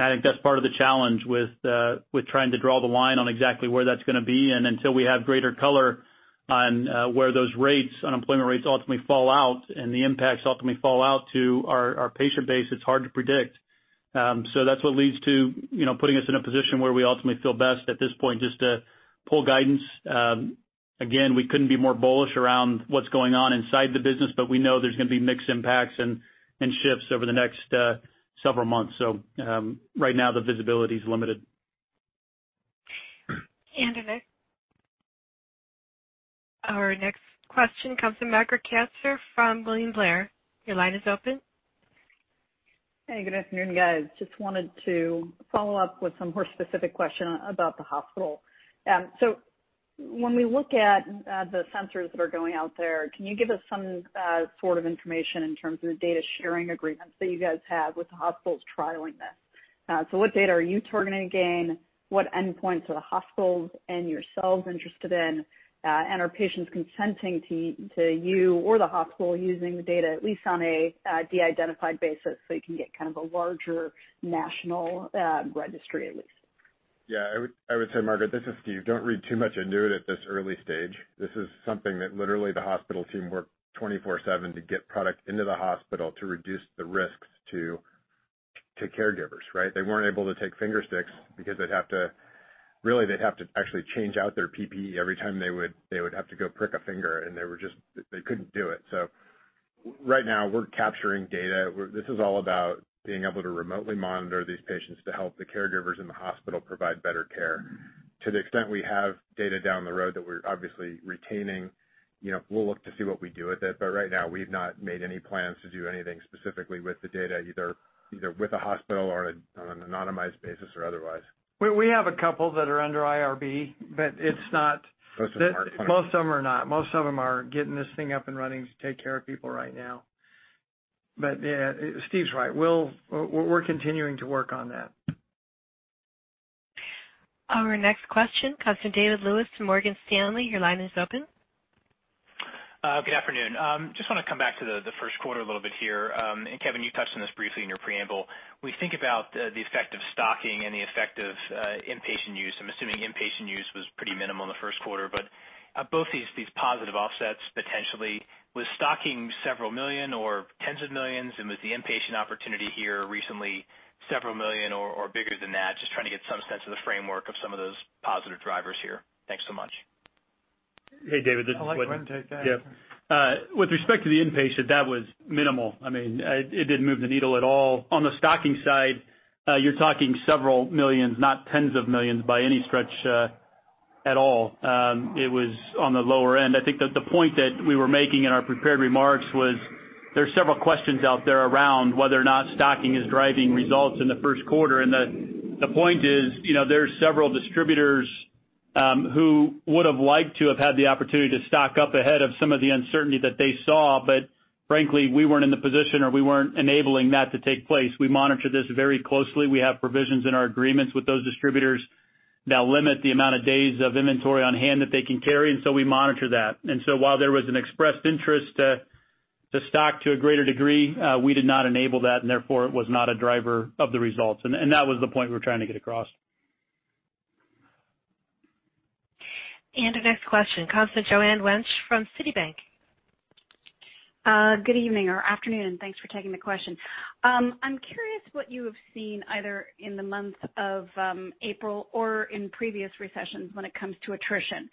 I think that's part of the challenge with trying to draw the line on exactly where that's going to be. Until we have greater color on where those unemployment rates ultimately fall out and the impacts ultimately fall out to our patient base, it's hard to predict. That's what leads to putting us in a position where we ultimately feel best at this point just to pull guidance. Again, we couldn't be more bullish around what's going on inside the business, but we know there's going to be mixed impacts and shifts over the next several months. Right now the visibility's limited. Our next question comes from Margaret Kaczor from William Blair. Your line is open. Hey, good afternoon, guys. Just wanted to follow up with some more specific question about the hospital. When we look at the sensors that are going out there, can you give us some sort of information in terms of the data sharing agreements that you guys have with the hospitals trialing this? What data are you targeting to gain? What endpoints are the hospitals and yourselves interested in? Are patients consenting to you or the hospital using the data, at least on a de-identified basis, so you can get kind of a larger national registry, at least? Yeah, I would say, Margaret, this is Steve. Don't read too much into it at this early stage. This is something that literally the hospital team worked 24/7 to get product into the hospital to reduce the risks to caregivers. They weren't able to take finger sticks because they'd have to actually change out their PPE every time they would have to go prick a finger, and they couldn't do it. Right now we're capturing data. This is all about being able to remotely monitor these patients to help the caregivers in the hospital provide better care. To the extent we have data down the road that we're obviously retaining, we'll look to see what we do with it. Right now, we've not made any plans to do anything specifically with the data, either with a hospital or on an anonymized basis or otherwise. We have a couple that are under IRB, but it's not. Most of them aren't. Most of them are not. Most of them are getting this thing up and running to take care of people right now. yeah, Steve's right. We're continuing to work on that. Our next question comes from David Lewis from Morgan Stanley. Your line is open. Good afternoon. Just want to come back to the first quarter a little bit here. Kevin, you touched on this briefly in your preamble. We think about the effect of stocking and the effect of inpatient use. I'm assuming inpatient use was pretty minimal in the first quarter. Both these positive offsets potentially with stocking several million or tens of millions, and with the inpatient opportunity here recently, several million or bigger than that. Just trying to get some sense of the framework of some of those positive drivers here. Thanks so much. Hey, David, this is Quentin. I'd like Quinn to take that. Yeah. With respect to the inpatient, that was minimal. It didn't move the needle at all. On the stocking side, you're talking several millions, not tens of millions by any stretch at all. It was on the lower end. I think that the point that we were making in our prepared remarks was there's several questions out there around whether or not stocking is driving results in the first quarter, and the point is there's several distributors who would've liked to have had the opportunity to stock up ahead of some of the uncertainty that they saw, but frankly, we weren't in the position or we weren't enabling that to take place. We monitor this very closely. We have provisions in our agreements with those distributors that limit the amount of days of inventory on hand that they can carry, and so we monitor that. While there was an expressed interest to stock to a greater degree, we did not enable that and therefore it was not a driver of the results. that was the point we were trying to get across. Our next question comes to Joanne Wuensch from Citigroup. Good evening or afternoon. Thanks for taking the question. I'm curious what you have seen either in the month of April or in previous recessions when it comes to attrition.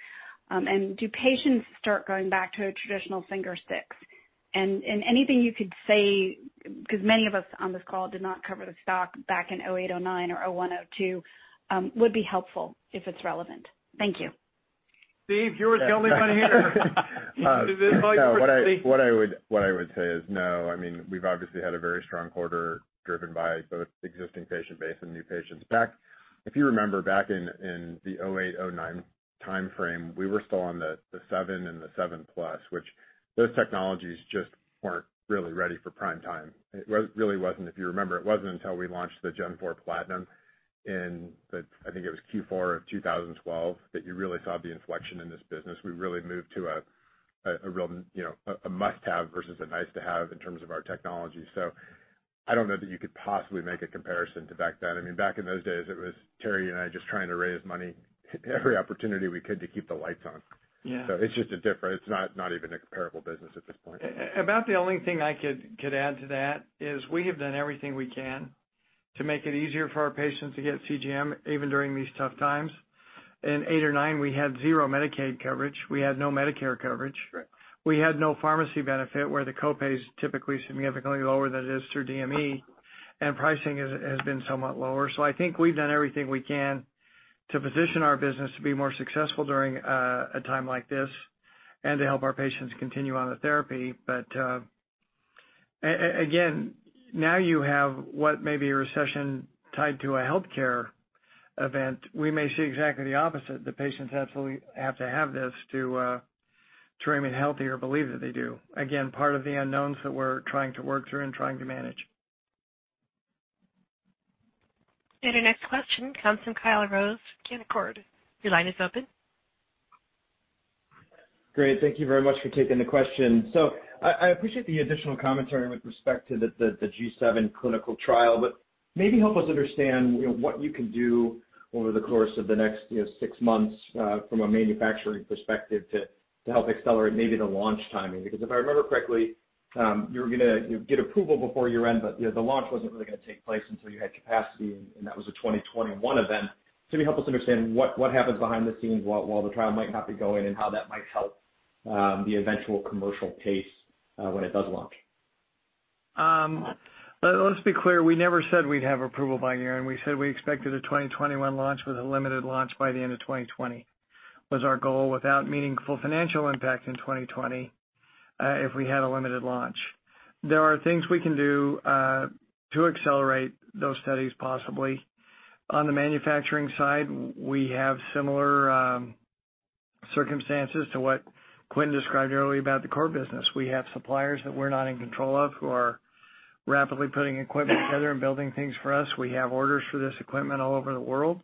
Do patients start going back to a traditional finger stick? Anything you could say, because many of us on this call did not cover the stock back in 2008, 2009 or 2001, 2002, would be helpful if it's relevant. Thank you. Steve, you're the only one here. No, what I would say is no. We've obviously had a very strong quarter driven by both existing patient base and new patients. If you remember back in the 2008, 2009 timeframe, we were still on the seven and the seven plus, which those technologies just weren't really ready for prime time. It really wasn't, if you remember, it wasn't until we launched the Gen 4 Platinum in the, I think it was Q4 of 2012, that you really saw the inflection in this business. We really moved to a real must-have versus a nice-to-have in terms of our technology. I don't know that you could possibly make a comparison to back then. Back in those days, it was Terry and I just trying to raise money every opportunity we could to keep the lights on. It's just different. It's not even a comparable business at this point. About the only thing I could add to that is we have done everything we can to make it easier for our patients to get CGM even during these tough times. In 2008 or 2009, we had zero Medicaid coverage. We had no Medicare coverage. Correct. We had no pharmacy benefit where the co-pay is typically significantly lower than it is through DME, and pricing has been somewhat lower. I think we've done everything we can to position our business to be more successful during a time like this and to help our patients continue on the therapy. Again, now you have what may be a recession tied to a healthcare event. We may see exactly the opposite. The patients absolutely have to have this to remain healthy or believe that they do. Again, part of the unknowns that we're trying to work through and trying to manage. Our next question comes from Kyle Rose, Canaccord. Your line is open. Great. Thank you very much for taking the question. I appreciate the additional commentary with respect to the G7 clinical trial, but maybe help us understand what you can do over the course of the next six months, from a manufacturing perspective to help accelerate maybe the launch timing. Because if I remember correctly, you were going to get approval before year-end, but the launch wasn't really going to take place until you had capacity, and that was a 2021 event. Can you help us understand what happens behind the scenes while the trial might not be going and how that might help the eventual commercial pace when it does launch? Let's be clear, we never said we'd have approval by year-end. We said we expected a 2021 launch with a limited launch by the end of 2020, was our goal, without meaningful financial impact in 2020, if we had a limited launch. There are things we can do to accelerate those studies possibly. On the manufacturing side, we have similar circumstances to what Quinn described earlier about the core business. We have suppliers that we're not in control of, who are rapidly putting equipment together and building things for us. We have orders for this equipment all over the world,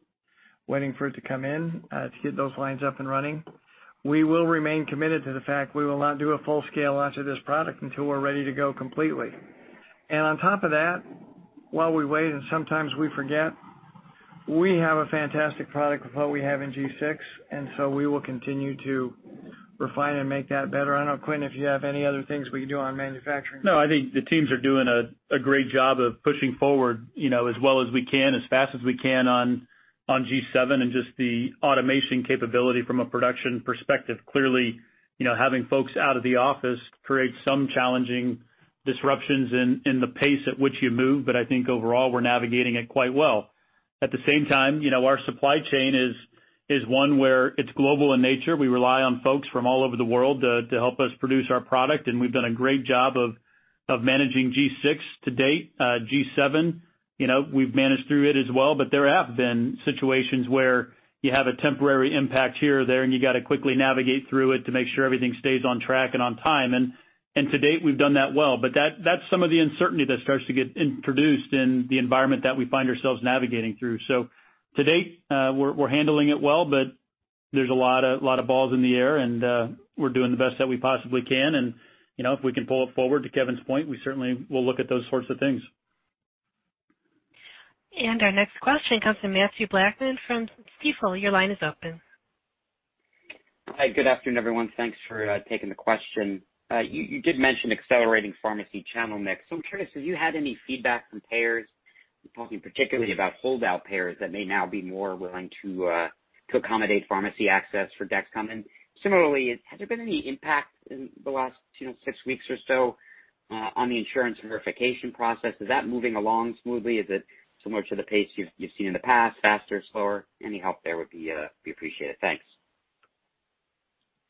waiting for it to come in to get those lines up and running. We will remain committed to the fact we will not do a full-scale launch of this product until we're ready to go completely. On top of that, while we wait, and sometimes we forget, we have a fantastic product with what we have in G6, and so we will continue to refine and make that better. I don't know, Quinn, if you have any other things we can do on manufacturing. No, I think the teams are doing a great job of pushing forward as well as we can, as fast as we can on G7 and just the automation capability from a production perspective. Clearly, having folks out of the office creates some challenging disruptions in the pace at which you move. I think overall, we're navigating it quite well. At the same time, our supply chain is one where it's global in nature. We rely on folks from all over the world to help us produce our product, and we've done a great job of managing G6 to date. G7, we've managed through it as well, but there have been situations where you have a temporary impact here or there, and you got to quickly navigate through it to make sure everything stays on track and on time. to date, we've done that well. That's some of the uncertainty that starts to get introduced in the environment that we find ourselves navigating through. to date, we're handling it well, but there's a lot of balls in the air, and we're doing the best that we possibly can. if we can pull it forward, to Kevin's point, we certainly will look at those sorts of things. Our next question comes from Mathew Blackman from Stifel. Your line is open. Hi, good afternoon, everyone. Thanks for taking the question. You did mention accelerating pharmacy channel mix. I'm curious, have you had any feedback from payers? I'm talking particularly about holdout payers that may now be more willing to accommodate pharmacy access for Dexcom. Similarly, has there been any impact in the last six weeks or so on the insurance verification process? Is that moving along smoothly? Is it similar to the pace you've seen in the past, faster, slower? Any help there would be appreciated. Thanks.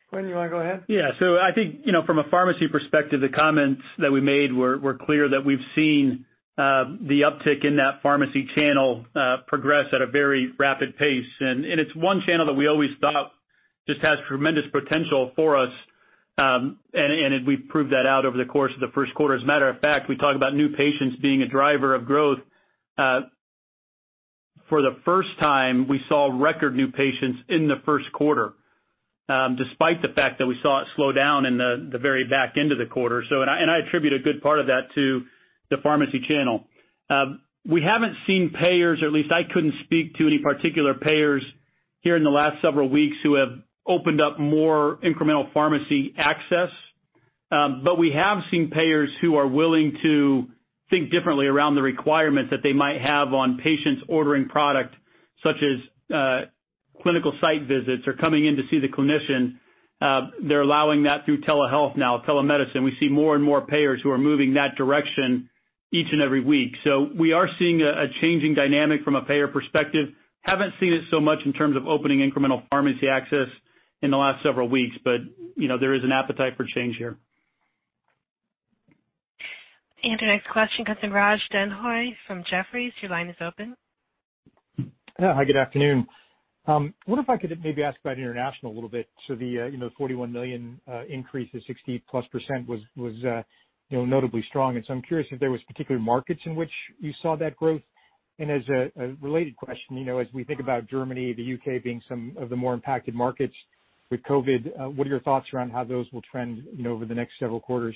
Quinn, you want to go ahead? Yeah. I think from a pharmacy perspective, the comments that we made were clear that we've seen the uptick in that pharmacy channel progress at a very rapid pace. It's one channel that we always thought just has tremendous potential for us. We've proved that out over the course of the first quarter. As a matter of fact, we talk about new patients being a driver of growth. For the first time, we saw record new patients in the first quarter, despite the fact that we saw it slow down in the very back end of the quarter. I attribute a good part of that to the pharmacy channel. We haven't seen payers, or at least I couldn't speak to any particular payers here in the last several weeks who have opened up more incremental pharmacy access. We have seen payers who are willing to think differently around the requirements that they might have on patients ordering product, such as clinical site visits or coming in to see the clinician. They're allowing that through telehealth now, telemedicine. We see more and more payers who are moving that direction each and every week. We are seeing a changing dynamic from a payer perspective. Haven't seen it so much in terms of opening incremental pharmacy access in the last several weeks, but there is an appetite for change here. Our next question comes from Raj Denhoy from Jefferies. Your line is open. Hi, good afternoon. I wonder if I could maybe ask about international a little bit. The $41 million increase is 60%+ was notably strong, and so I'm curious if there was particular markets in which you saw that growth. As a related question, as we think about Germany, the U.K. being some of the more impacted markets with COVID-19, what are your thoughts around how those will trend over the next several quarters?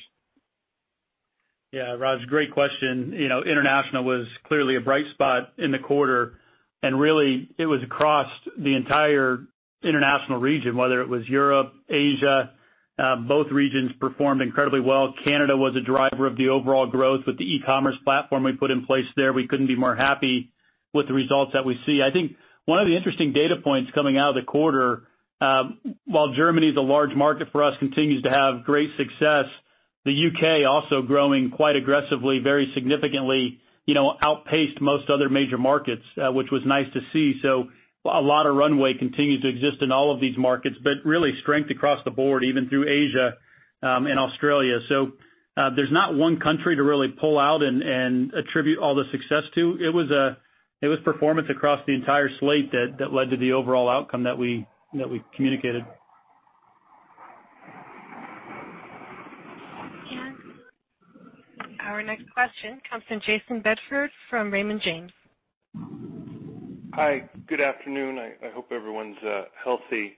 Yeah. Raj, great question. International was clearly a bright spot in the quarter. Really it was across the entire international region, whether it was Europe, Asia, both regions performed incredibly well. Canada was a driver of the overall growth with the e-commerce platform we put in place there. We couldn't be more happy with the results that we see. I think one of the interesting data points coming out of the quarter, while Germany is a large market for us, continues to have great success. The U.K. also growing quite aggressively, very significantly, outpaced most other major markets, which was nice to see. A lot of runway continues to exist in all of these markets. Really strength across the board, even through Asia, and Australia. There's not one country to really pull out and attribute all the success to. It was performance across the entire slate that led to the overall outcome that we communicated. Our next question comes from Jayson Bedford from Raymond James. Hi, good afternoon. I hope everyone's healthy.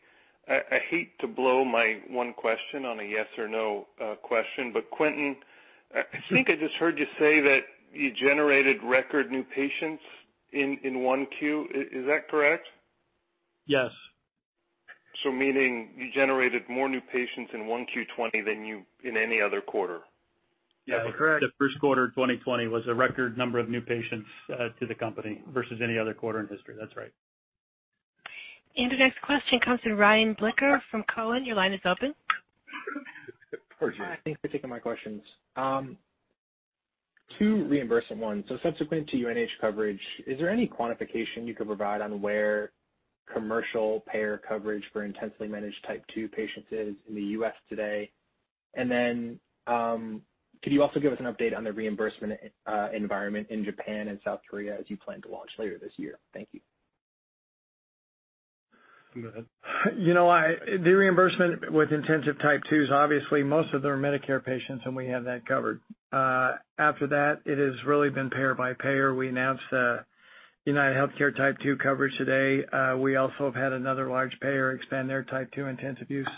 I hate to blow my one question on a yes or no question, Quentin, I think I just heard you say that you generated record new patients in 1Q. Is that correct? Yes. Meaning you generated more new patients in 1Q 2020 than in any other quarter? Yeah. Correct. The first quarter 2020 was a record number of new patients, to the company versus any other quarter in history. That's right. The next question comes from Ryan Blicker from Cowen. Your line is open. Thanks for taking my questions. Two reimbursement ones. Subsequent to UNH coverage, is there any quantification you could provide on where commercial payer coverage for intensely managed Type 2 patients is in the U.S. today? Could you also give us an update on the reimbursement environment in Japan and South Korea as you plan to launch later this year? Thank you. You know, the reimbursement with intensive Type 2s, obviously most of them are Medicare patients, and we have that covered. After that, it has really been payer by payer. We announced the UnitedHealthcare Type 2 coverage today. We also have had another large payer expand their Type 2 intensive use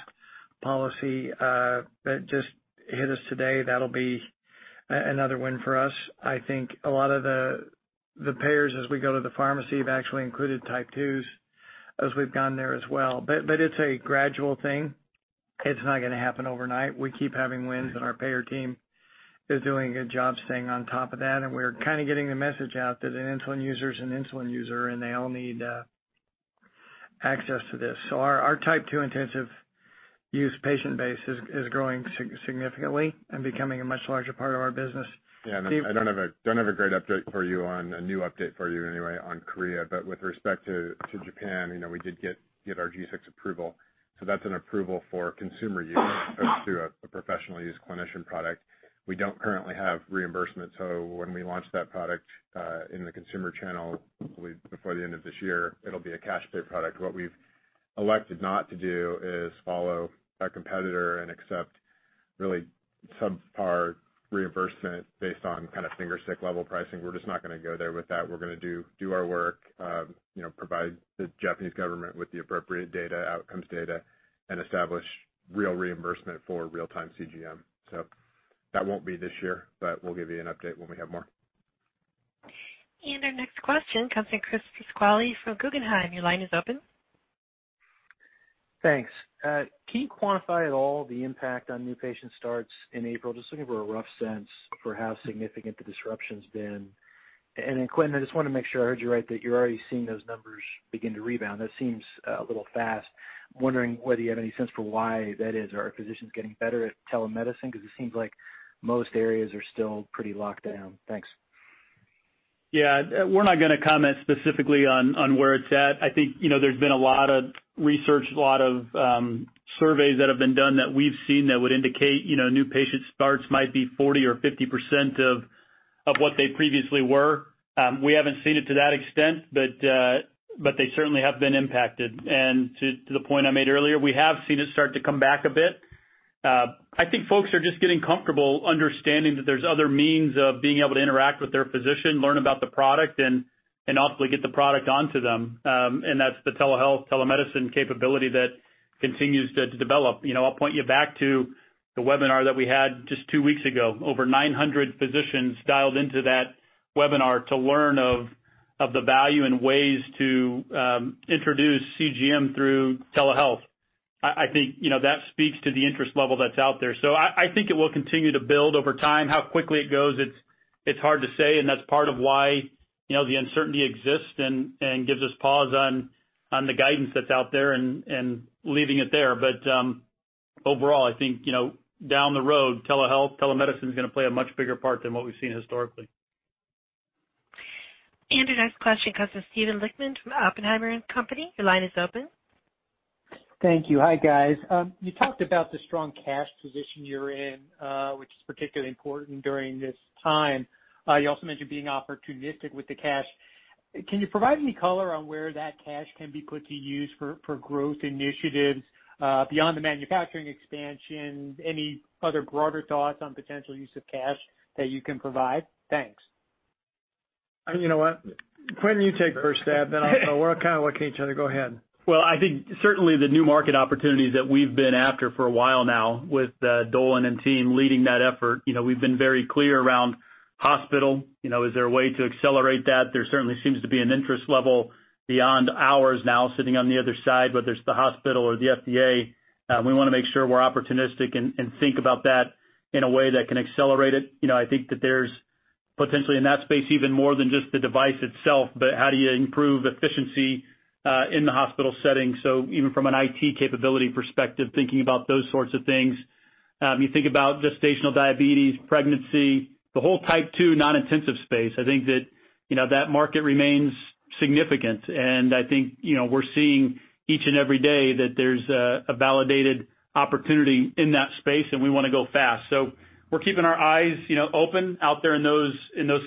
policy, that just hit us today. That'll be another win for us. I think a lot of the payers, as we go to the pharmacy, have actually included Type 2s as we've gone there as well. It's a gradual thing. It's not going to happen overnight. We keep having wins, and our payer team is doing a good job staying on top of that, and we're kind of getting the message out that an insulin user is an insulin user, and they all need access to this. Our Type 2 intensive use patient base is growing significantly and becoming a much larger part of our business. I don't have a great update for you on a new update for you anyway on Korea. With respect to Japan, we did get our G6 approval, so that's an approval for consumer use as to a professional use clinician product. We don't currently have reimbursement, so when we launch that product, in the consumer channel, hopefully before the end of this year, it'll be a cash pay product. What we've elected not to do is follow our competitor and accept really subpar reimbursement based on kind of finger stick level pricing. We're just not going to go there with that. We're going to do our work, provide the Japanese government with the appropriate data, outcomes data, and establish real reimbursement for real-time CGM. That won't be this year, but we'll give you an update when we have more. Our next question comes in Chris Pasquale from Guggenheim. Your line is open. Thanks. Can you quantify at all the impact on new patient starts in April? Just looking for a rough sense for how significant the disruption's been. Then Quentin, I just want to make sure I heard you right, that you're already seeing those numbers begin to rebound. That seems a little fast. I'm wondering whether you have any sense for why that is. Are physicians getting better at telemedicine? It seems like most areas are still pretty locked down. Thanks. Yeah. We're not going to comment specifically on where it's at. I think there's been a lot of research, a lot of surveys that have been done that we've seen that would indicate new patient starts might be 40% or 50% of what they previously were. We haven't seen it to that extent, but they certainly have been impacted. To the point I made earlier, we have seen it start to come back a bit. I think folks are just getting comfortable understanding that there's other means of being able to interact with their physician, learn about the product, and ultimately get the product onto them. That's the telehealth, telemedicine capability that continues to develop. I'll point you back to the webinar that we had just two weeks ago. Over 900 physicians dialed into that webinar to learn of the value and ways to introduce CGM through telehealth. I think that speaks to the interest level that's out there. I think it will continue to build over time. How quickly it goes, it's hard to say, and that's part of why the uncertainty exists and gives us pause on the guidance that's out there and leaving it there. Overall, I think down the road, telehealth, telemedicine is going to play a much bigger part than what we've seen historically. Our next question comes from Steven Lichtman from Oppenheimer & Co. Your line is open. Thank you. Hi, guys. You talked about the strong cash position you're in, which is particularly important during this time. You also mentioned being opportunistic with the cash. Can you provide any color on where that cash can be put to use for growth initiatives beyond the manufacturing expansion? Any other broader thoughts on potential use of cash that you can provide? Thanks. You know what? Quinn, you take first stab. We're kind of looking at each other. Go ahead. I think certainly the new market opportunities that we've been after for a while now with Dolan and team leading that effort. We've been very clear around hospital, is there a way to accelerate that? There certainly seems to be an interest level beyond ours now, sitting on the other side, whether it's the hospital or the FDA. We want to make sure we're opportunistic and think about that in a way that can accelerate it. I think that there's potentially in that space, even more than just the device itself, but how do you improve efficiency in the hospital setting? Even from an IT capability perspective, thinking about those sorts of things. You think about gestational diabetes, pregnancy, the whole Type 2 non-intensive space. I think that market remains significant, and I think we're seeing each and every day that there's a validated opportunity in that space and we want to go fast. We're keeping our eyes open out there in those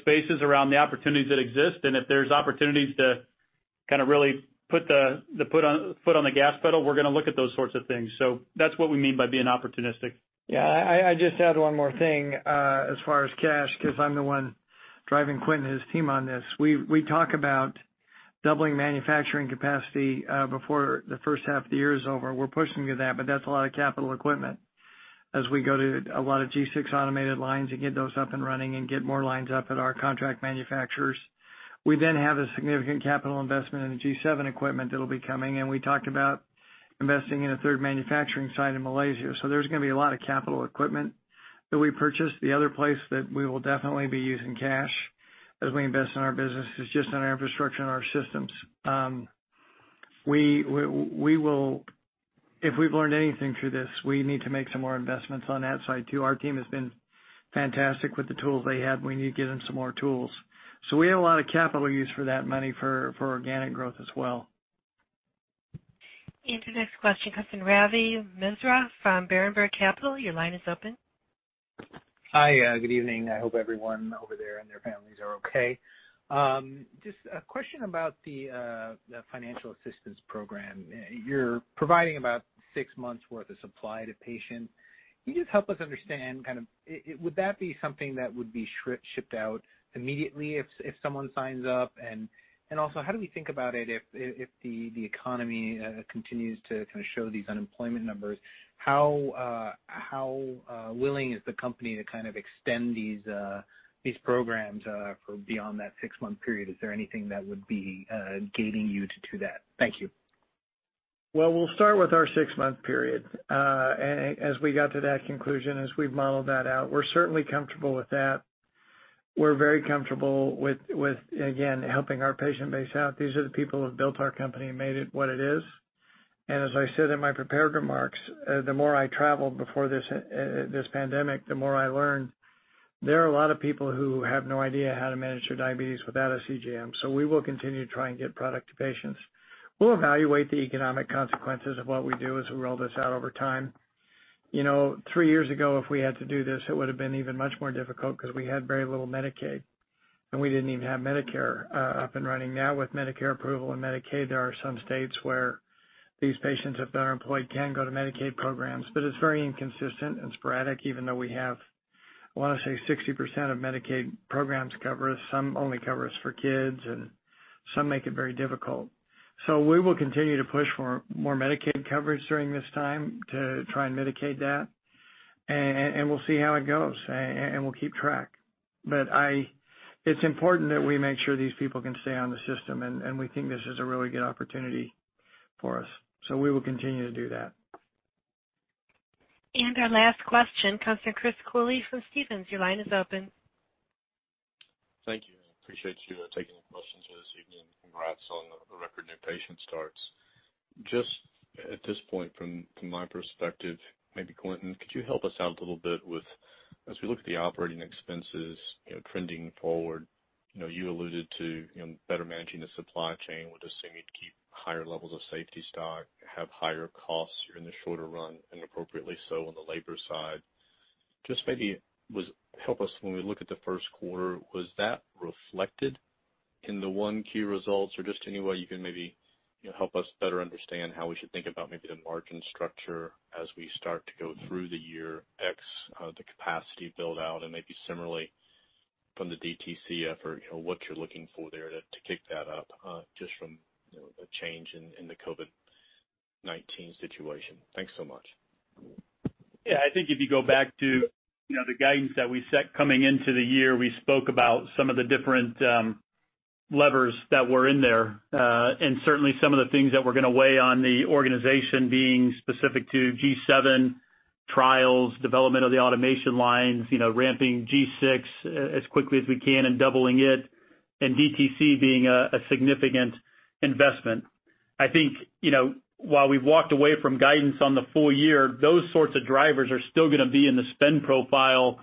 spaces around the opportunities that exist. If there's opportunities to really put the foot on the gas pedal, we're going to look at those sorts of things. That's what we mean by being opportunistic. Yeah. I just add one more thing, as far as cash, because I'm the one driving Quinn and his team on this. We talk about doubling manufacturing capacity before the first half of the year is over. We're pushing to that, but that's a lot of capital equipment as we go to a lot of G6 automated lines and get those up and running and get more lines up at our contract manufacturers. We have a significant capital investment in the G7 equipment that'll be coming, and we talked about investing in a third manufacturing site in Malaysia. There's going to be a lot of capital equipment that we purchased. The other place that we will definitely be using cash as we invest in our business is just on our infrastructure and our systems. If we've learned anything through this, we need to make some more investments on that side, too. Our team has been fantastic with the tools they have. We need to give them some more tools. We have a lot of capital use for that money for organic growth as well. To the next question comes from Ravi Misra from Berenberg Capital. Your line is open. Hi. Good evening. I hope everyone over there and their families are okay. Just a question about the financial assistance program. You're providing about six months worth of supply to patients. Can you just help us understand, would that be something that would be shipped out immediately if someone signs up? How do we think about it if the economy continues to show these unemployment numbers? How willing is the company to extend these programs for beyond that six-month period? Is there anything that would be gating you to do that? Thank you. Well, we'll start with our six-month period. As we got to that conclusion, as we've modeled that out, we're certainly comfortable with that. We're very comfortable with, again, helping our patient base out. These are the people who've built our company and made it what it is. As I said in my prepared remarks, the more I traveled before this pandemic, the more I learned. There are a lot of people who have no idea how to manage their diabetes without a CGM. We will continue to try and get product to patients. We'll evaluate the economic consequences of what we do as we roll this out over time. Three years ago, if we had to do this, it would've been even much more difficult because we had very little Medicaid, and we didn't even have Medicare up and running. Now with Medicare approval and Medicaid, there are some states where these patients, if they're unemployed, can go to Medicaid programs, but it's very inconsistent and sporadic, even though we have, I want to say 60% of Medicaid programs cover us. Some only cover us for kids, and some make it very difficult. We will continue to push for more Medicaid coverage during this time to try and mitigate that, and we'll see how it goes, and we'll keep track. It's important that we make sure these people can stay on the system, and we think this is a really good opportunity for us, so we will continue to do that. Our last question comes from Chris Cooley from Stephens. Your line is open. Thank you. Appreciate you taking the questions here this evening. Congrats on the record new patient starts. Just at this point, from my perspective, maybe Quentin, could you help us out a little bit with, as we look at the operating expenses trending forward. You alluded to better managing the supply chain. We are just seeing you keep higher levels of safety stock, have higher costs here in the shorter run, and appropriately so on the labor side. Just maybe help us when we look at the first quarter, was that reflected in the 1Q results? Just any way you can maybe help us better understand how we should think about maybe the margin structure as we start to go through the year, X the capacity build out and maybe similarly from the DTC effort, what you're looking for there to kick that up, just from the change in the COVID-19 situation. Thanks so much. Yeah. I think if you go back to the guidance that we set coming into the year, we spoke about some of the different levers that were in there. Certainly some of the things that we're going to weigh on the organization being specific to G7 trials, development of the automation lines, ramping G6 as quickly as we can and doubling it, and DTC being a significant investment. I think, while we've walked away from guidance on the full year, those sorts of drivers are still going to be in the spend profile,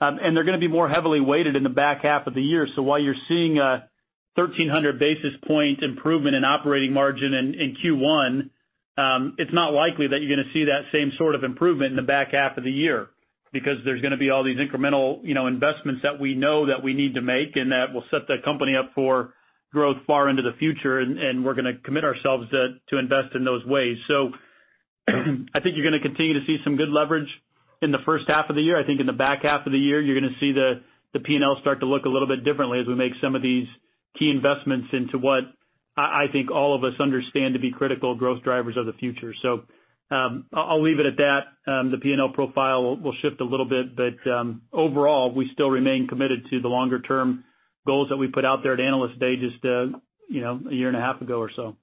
and they're going to be more heavily weighted in the back half of the year. While you're seeing a 1,300 basis point improvement in operating margin in Q1, it's not likely that you're going to see that same sort of improvement in the back half of the year because there's going to be all these incremental investments that we know that we need to make, and that will set the company up for growth far into the future, and we're going to commit ourselves to invest in those ways. I think you're going to continue to see some good leverage in the first half of the year. I think in the back half of the year, you're going to see the P&L start to look a little bit differently as we make some of these key investments into what I think all of us understand to be critical growth drivers of the future. I'll leave it at that. The P&L profile will shift a little bit. Overall, we still remain committed to the longer-term goals that we put out there at Analyst Day just a year and a half ago or so.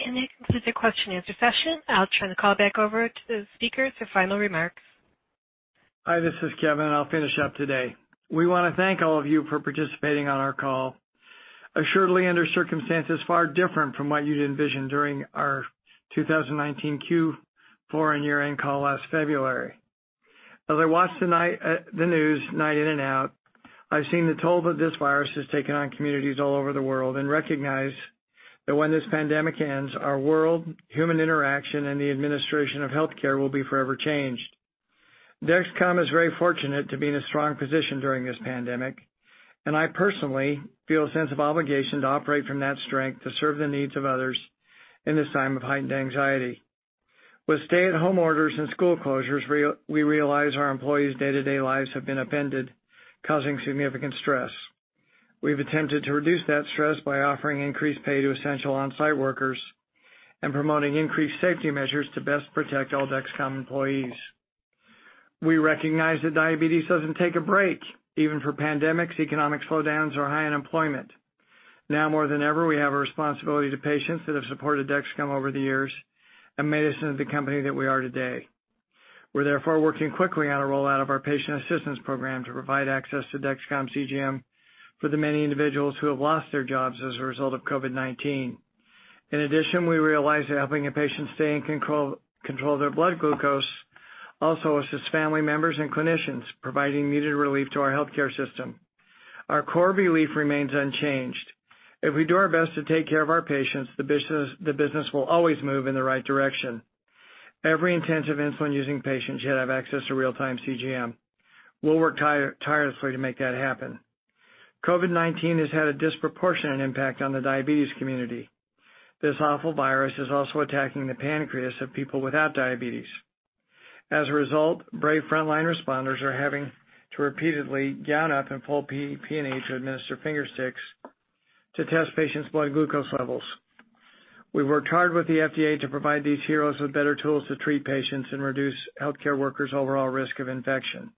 This concludes the question-and-answer session. I'll turn the call back over to the speakers for final remarks. Hi, this is Kevin, and I'll finish up today. We want to thank all of you for participating on our call. Assuredly under circumstances far different from what you'd envisioned during our 2019 Q4 and year-end call last February. As I watch the news night in and out, I've seen the toll that this virus has taken on communities all over the world and recognize that when this pandemic ends, our world, human interaction, and the administration of healthcare will be forever changed. Dexcom is very fortunate to be in a strong position during this pandemic, and I personally feel a sense of obligation to operate from that strength to serve the needs of others in this time of heightened anxiety. With stay-at-home orders and school closures, we realize our employees' day-to-day lives have been upended, causing significant stress. We've attempted to reduce that stress by offering increased pay to essential on-site workers and promoting increased safety measures to best protect all Dexcom employees. We recognize that diabetes doesn't take a break, even for pandemics, economic slowdowns, or high unemployment. Now more than ever, we have a responsibility to patients that have supported Dexcom over the years and made us into the company that we are today. We're therefore working quickly on a rollout of our patient assistance program to provide access to Dexcom CGM for the many individuals who have lost their jobs as a result of COVID-19. In addition, we realize that helping a patient stay in control of their blood glucose also assists family members and clinicians, providing needed relief to our healthcare system. Our core belief remains unchanged. If we do our best to take care of our patients, the business will always move in the right direction. Every intensive insulin-using patient should have access to real-time CGM. We'll work tirelessly to make that happen. COVID-19 has had a disproportionate impact on the diabetes community. This awful virus is also attacking the pancreas of people without diabetes. Brave frontline responders are having to repeatedly gown up and pull PPE to administer finger sticks to test patients' blood glucose levels. We've worked hard with the FDA to provide these heroes with better tools to treat patients and reduce healthcare workers' overall risk of infection.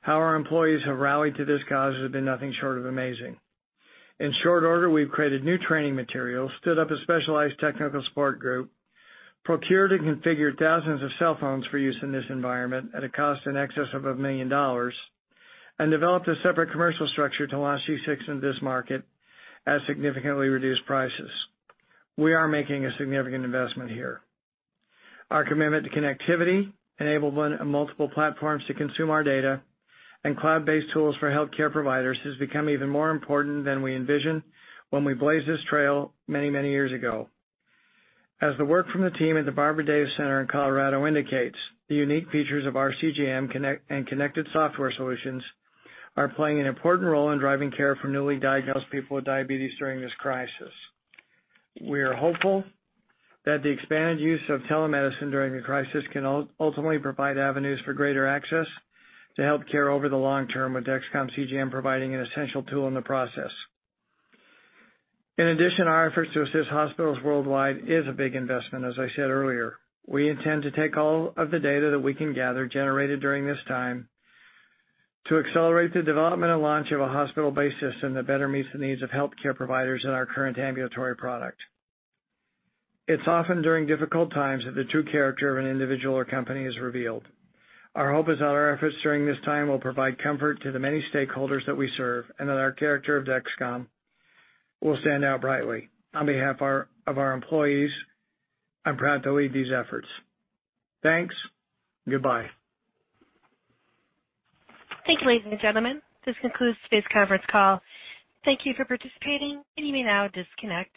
How our employees have rallied to this cause has been nothing short of amazing. In short order, we've created new training materials, stood up a specialized technical support group, procured and configured thousands of cell phones for use in this environment at a cost in excess of $1 million, and developed a separate commercial structure to launch G6 into this market at significantly reduced prices. We are making a significant investment here. Our commitment to connectivity, enabling multiple platforms to consume our data, and cloud-based tools for healthcare providers has become even more important than we envisioned when we blazed this trail many, many years ago. As the work from the team at the Barbara Davis Center in Colorado indicates, the unique features of our CGM and connected software solutions are playing an important role in driving care for newly diagnosed people with diabetes during this crisis. We are hopeful that the expanded use of telemedicine during the crisis can ultimately provide avenues for greater access to healthcare over the long term, with Dexcom CGM providing an essential tool in the process. In addition, our efforts to assist hospitals worldwide is a big investment, as I said earlier. We intend to take all of the data that we can gather generated during this time to accelerate the development and launch of a hospital-based system that better meets the needs of healthcare providers in our current ambulatory product. It's often during difficult times that the true character of an individual or company is revealed. Our hope is that our efforts during this time will provide comfort to the many stakeholders that we serve, and that our character of Dexcom will stand out brightly. On behalf of our employees, I'm proud to lead these efforts. Thanks. Goodbye. Thank you, ladies and gentlemen. This concludes today's conference call. Thank you for participating, and you may now disconnect.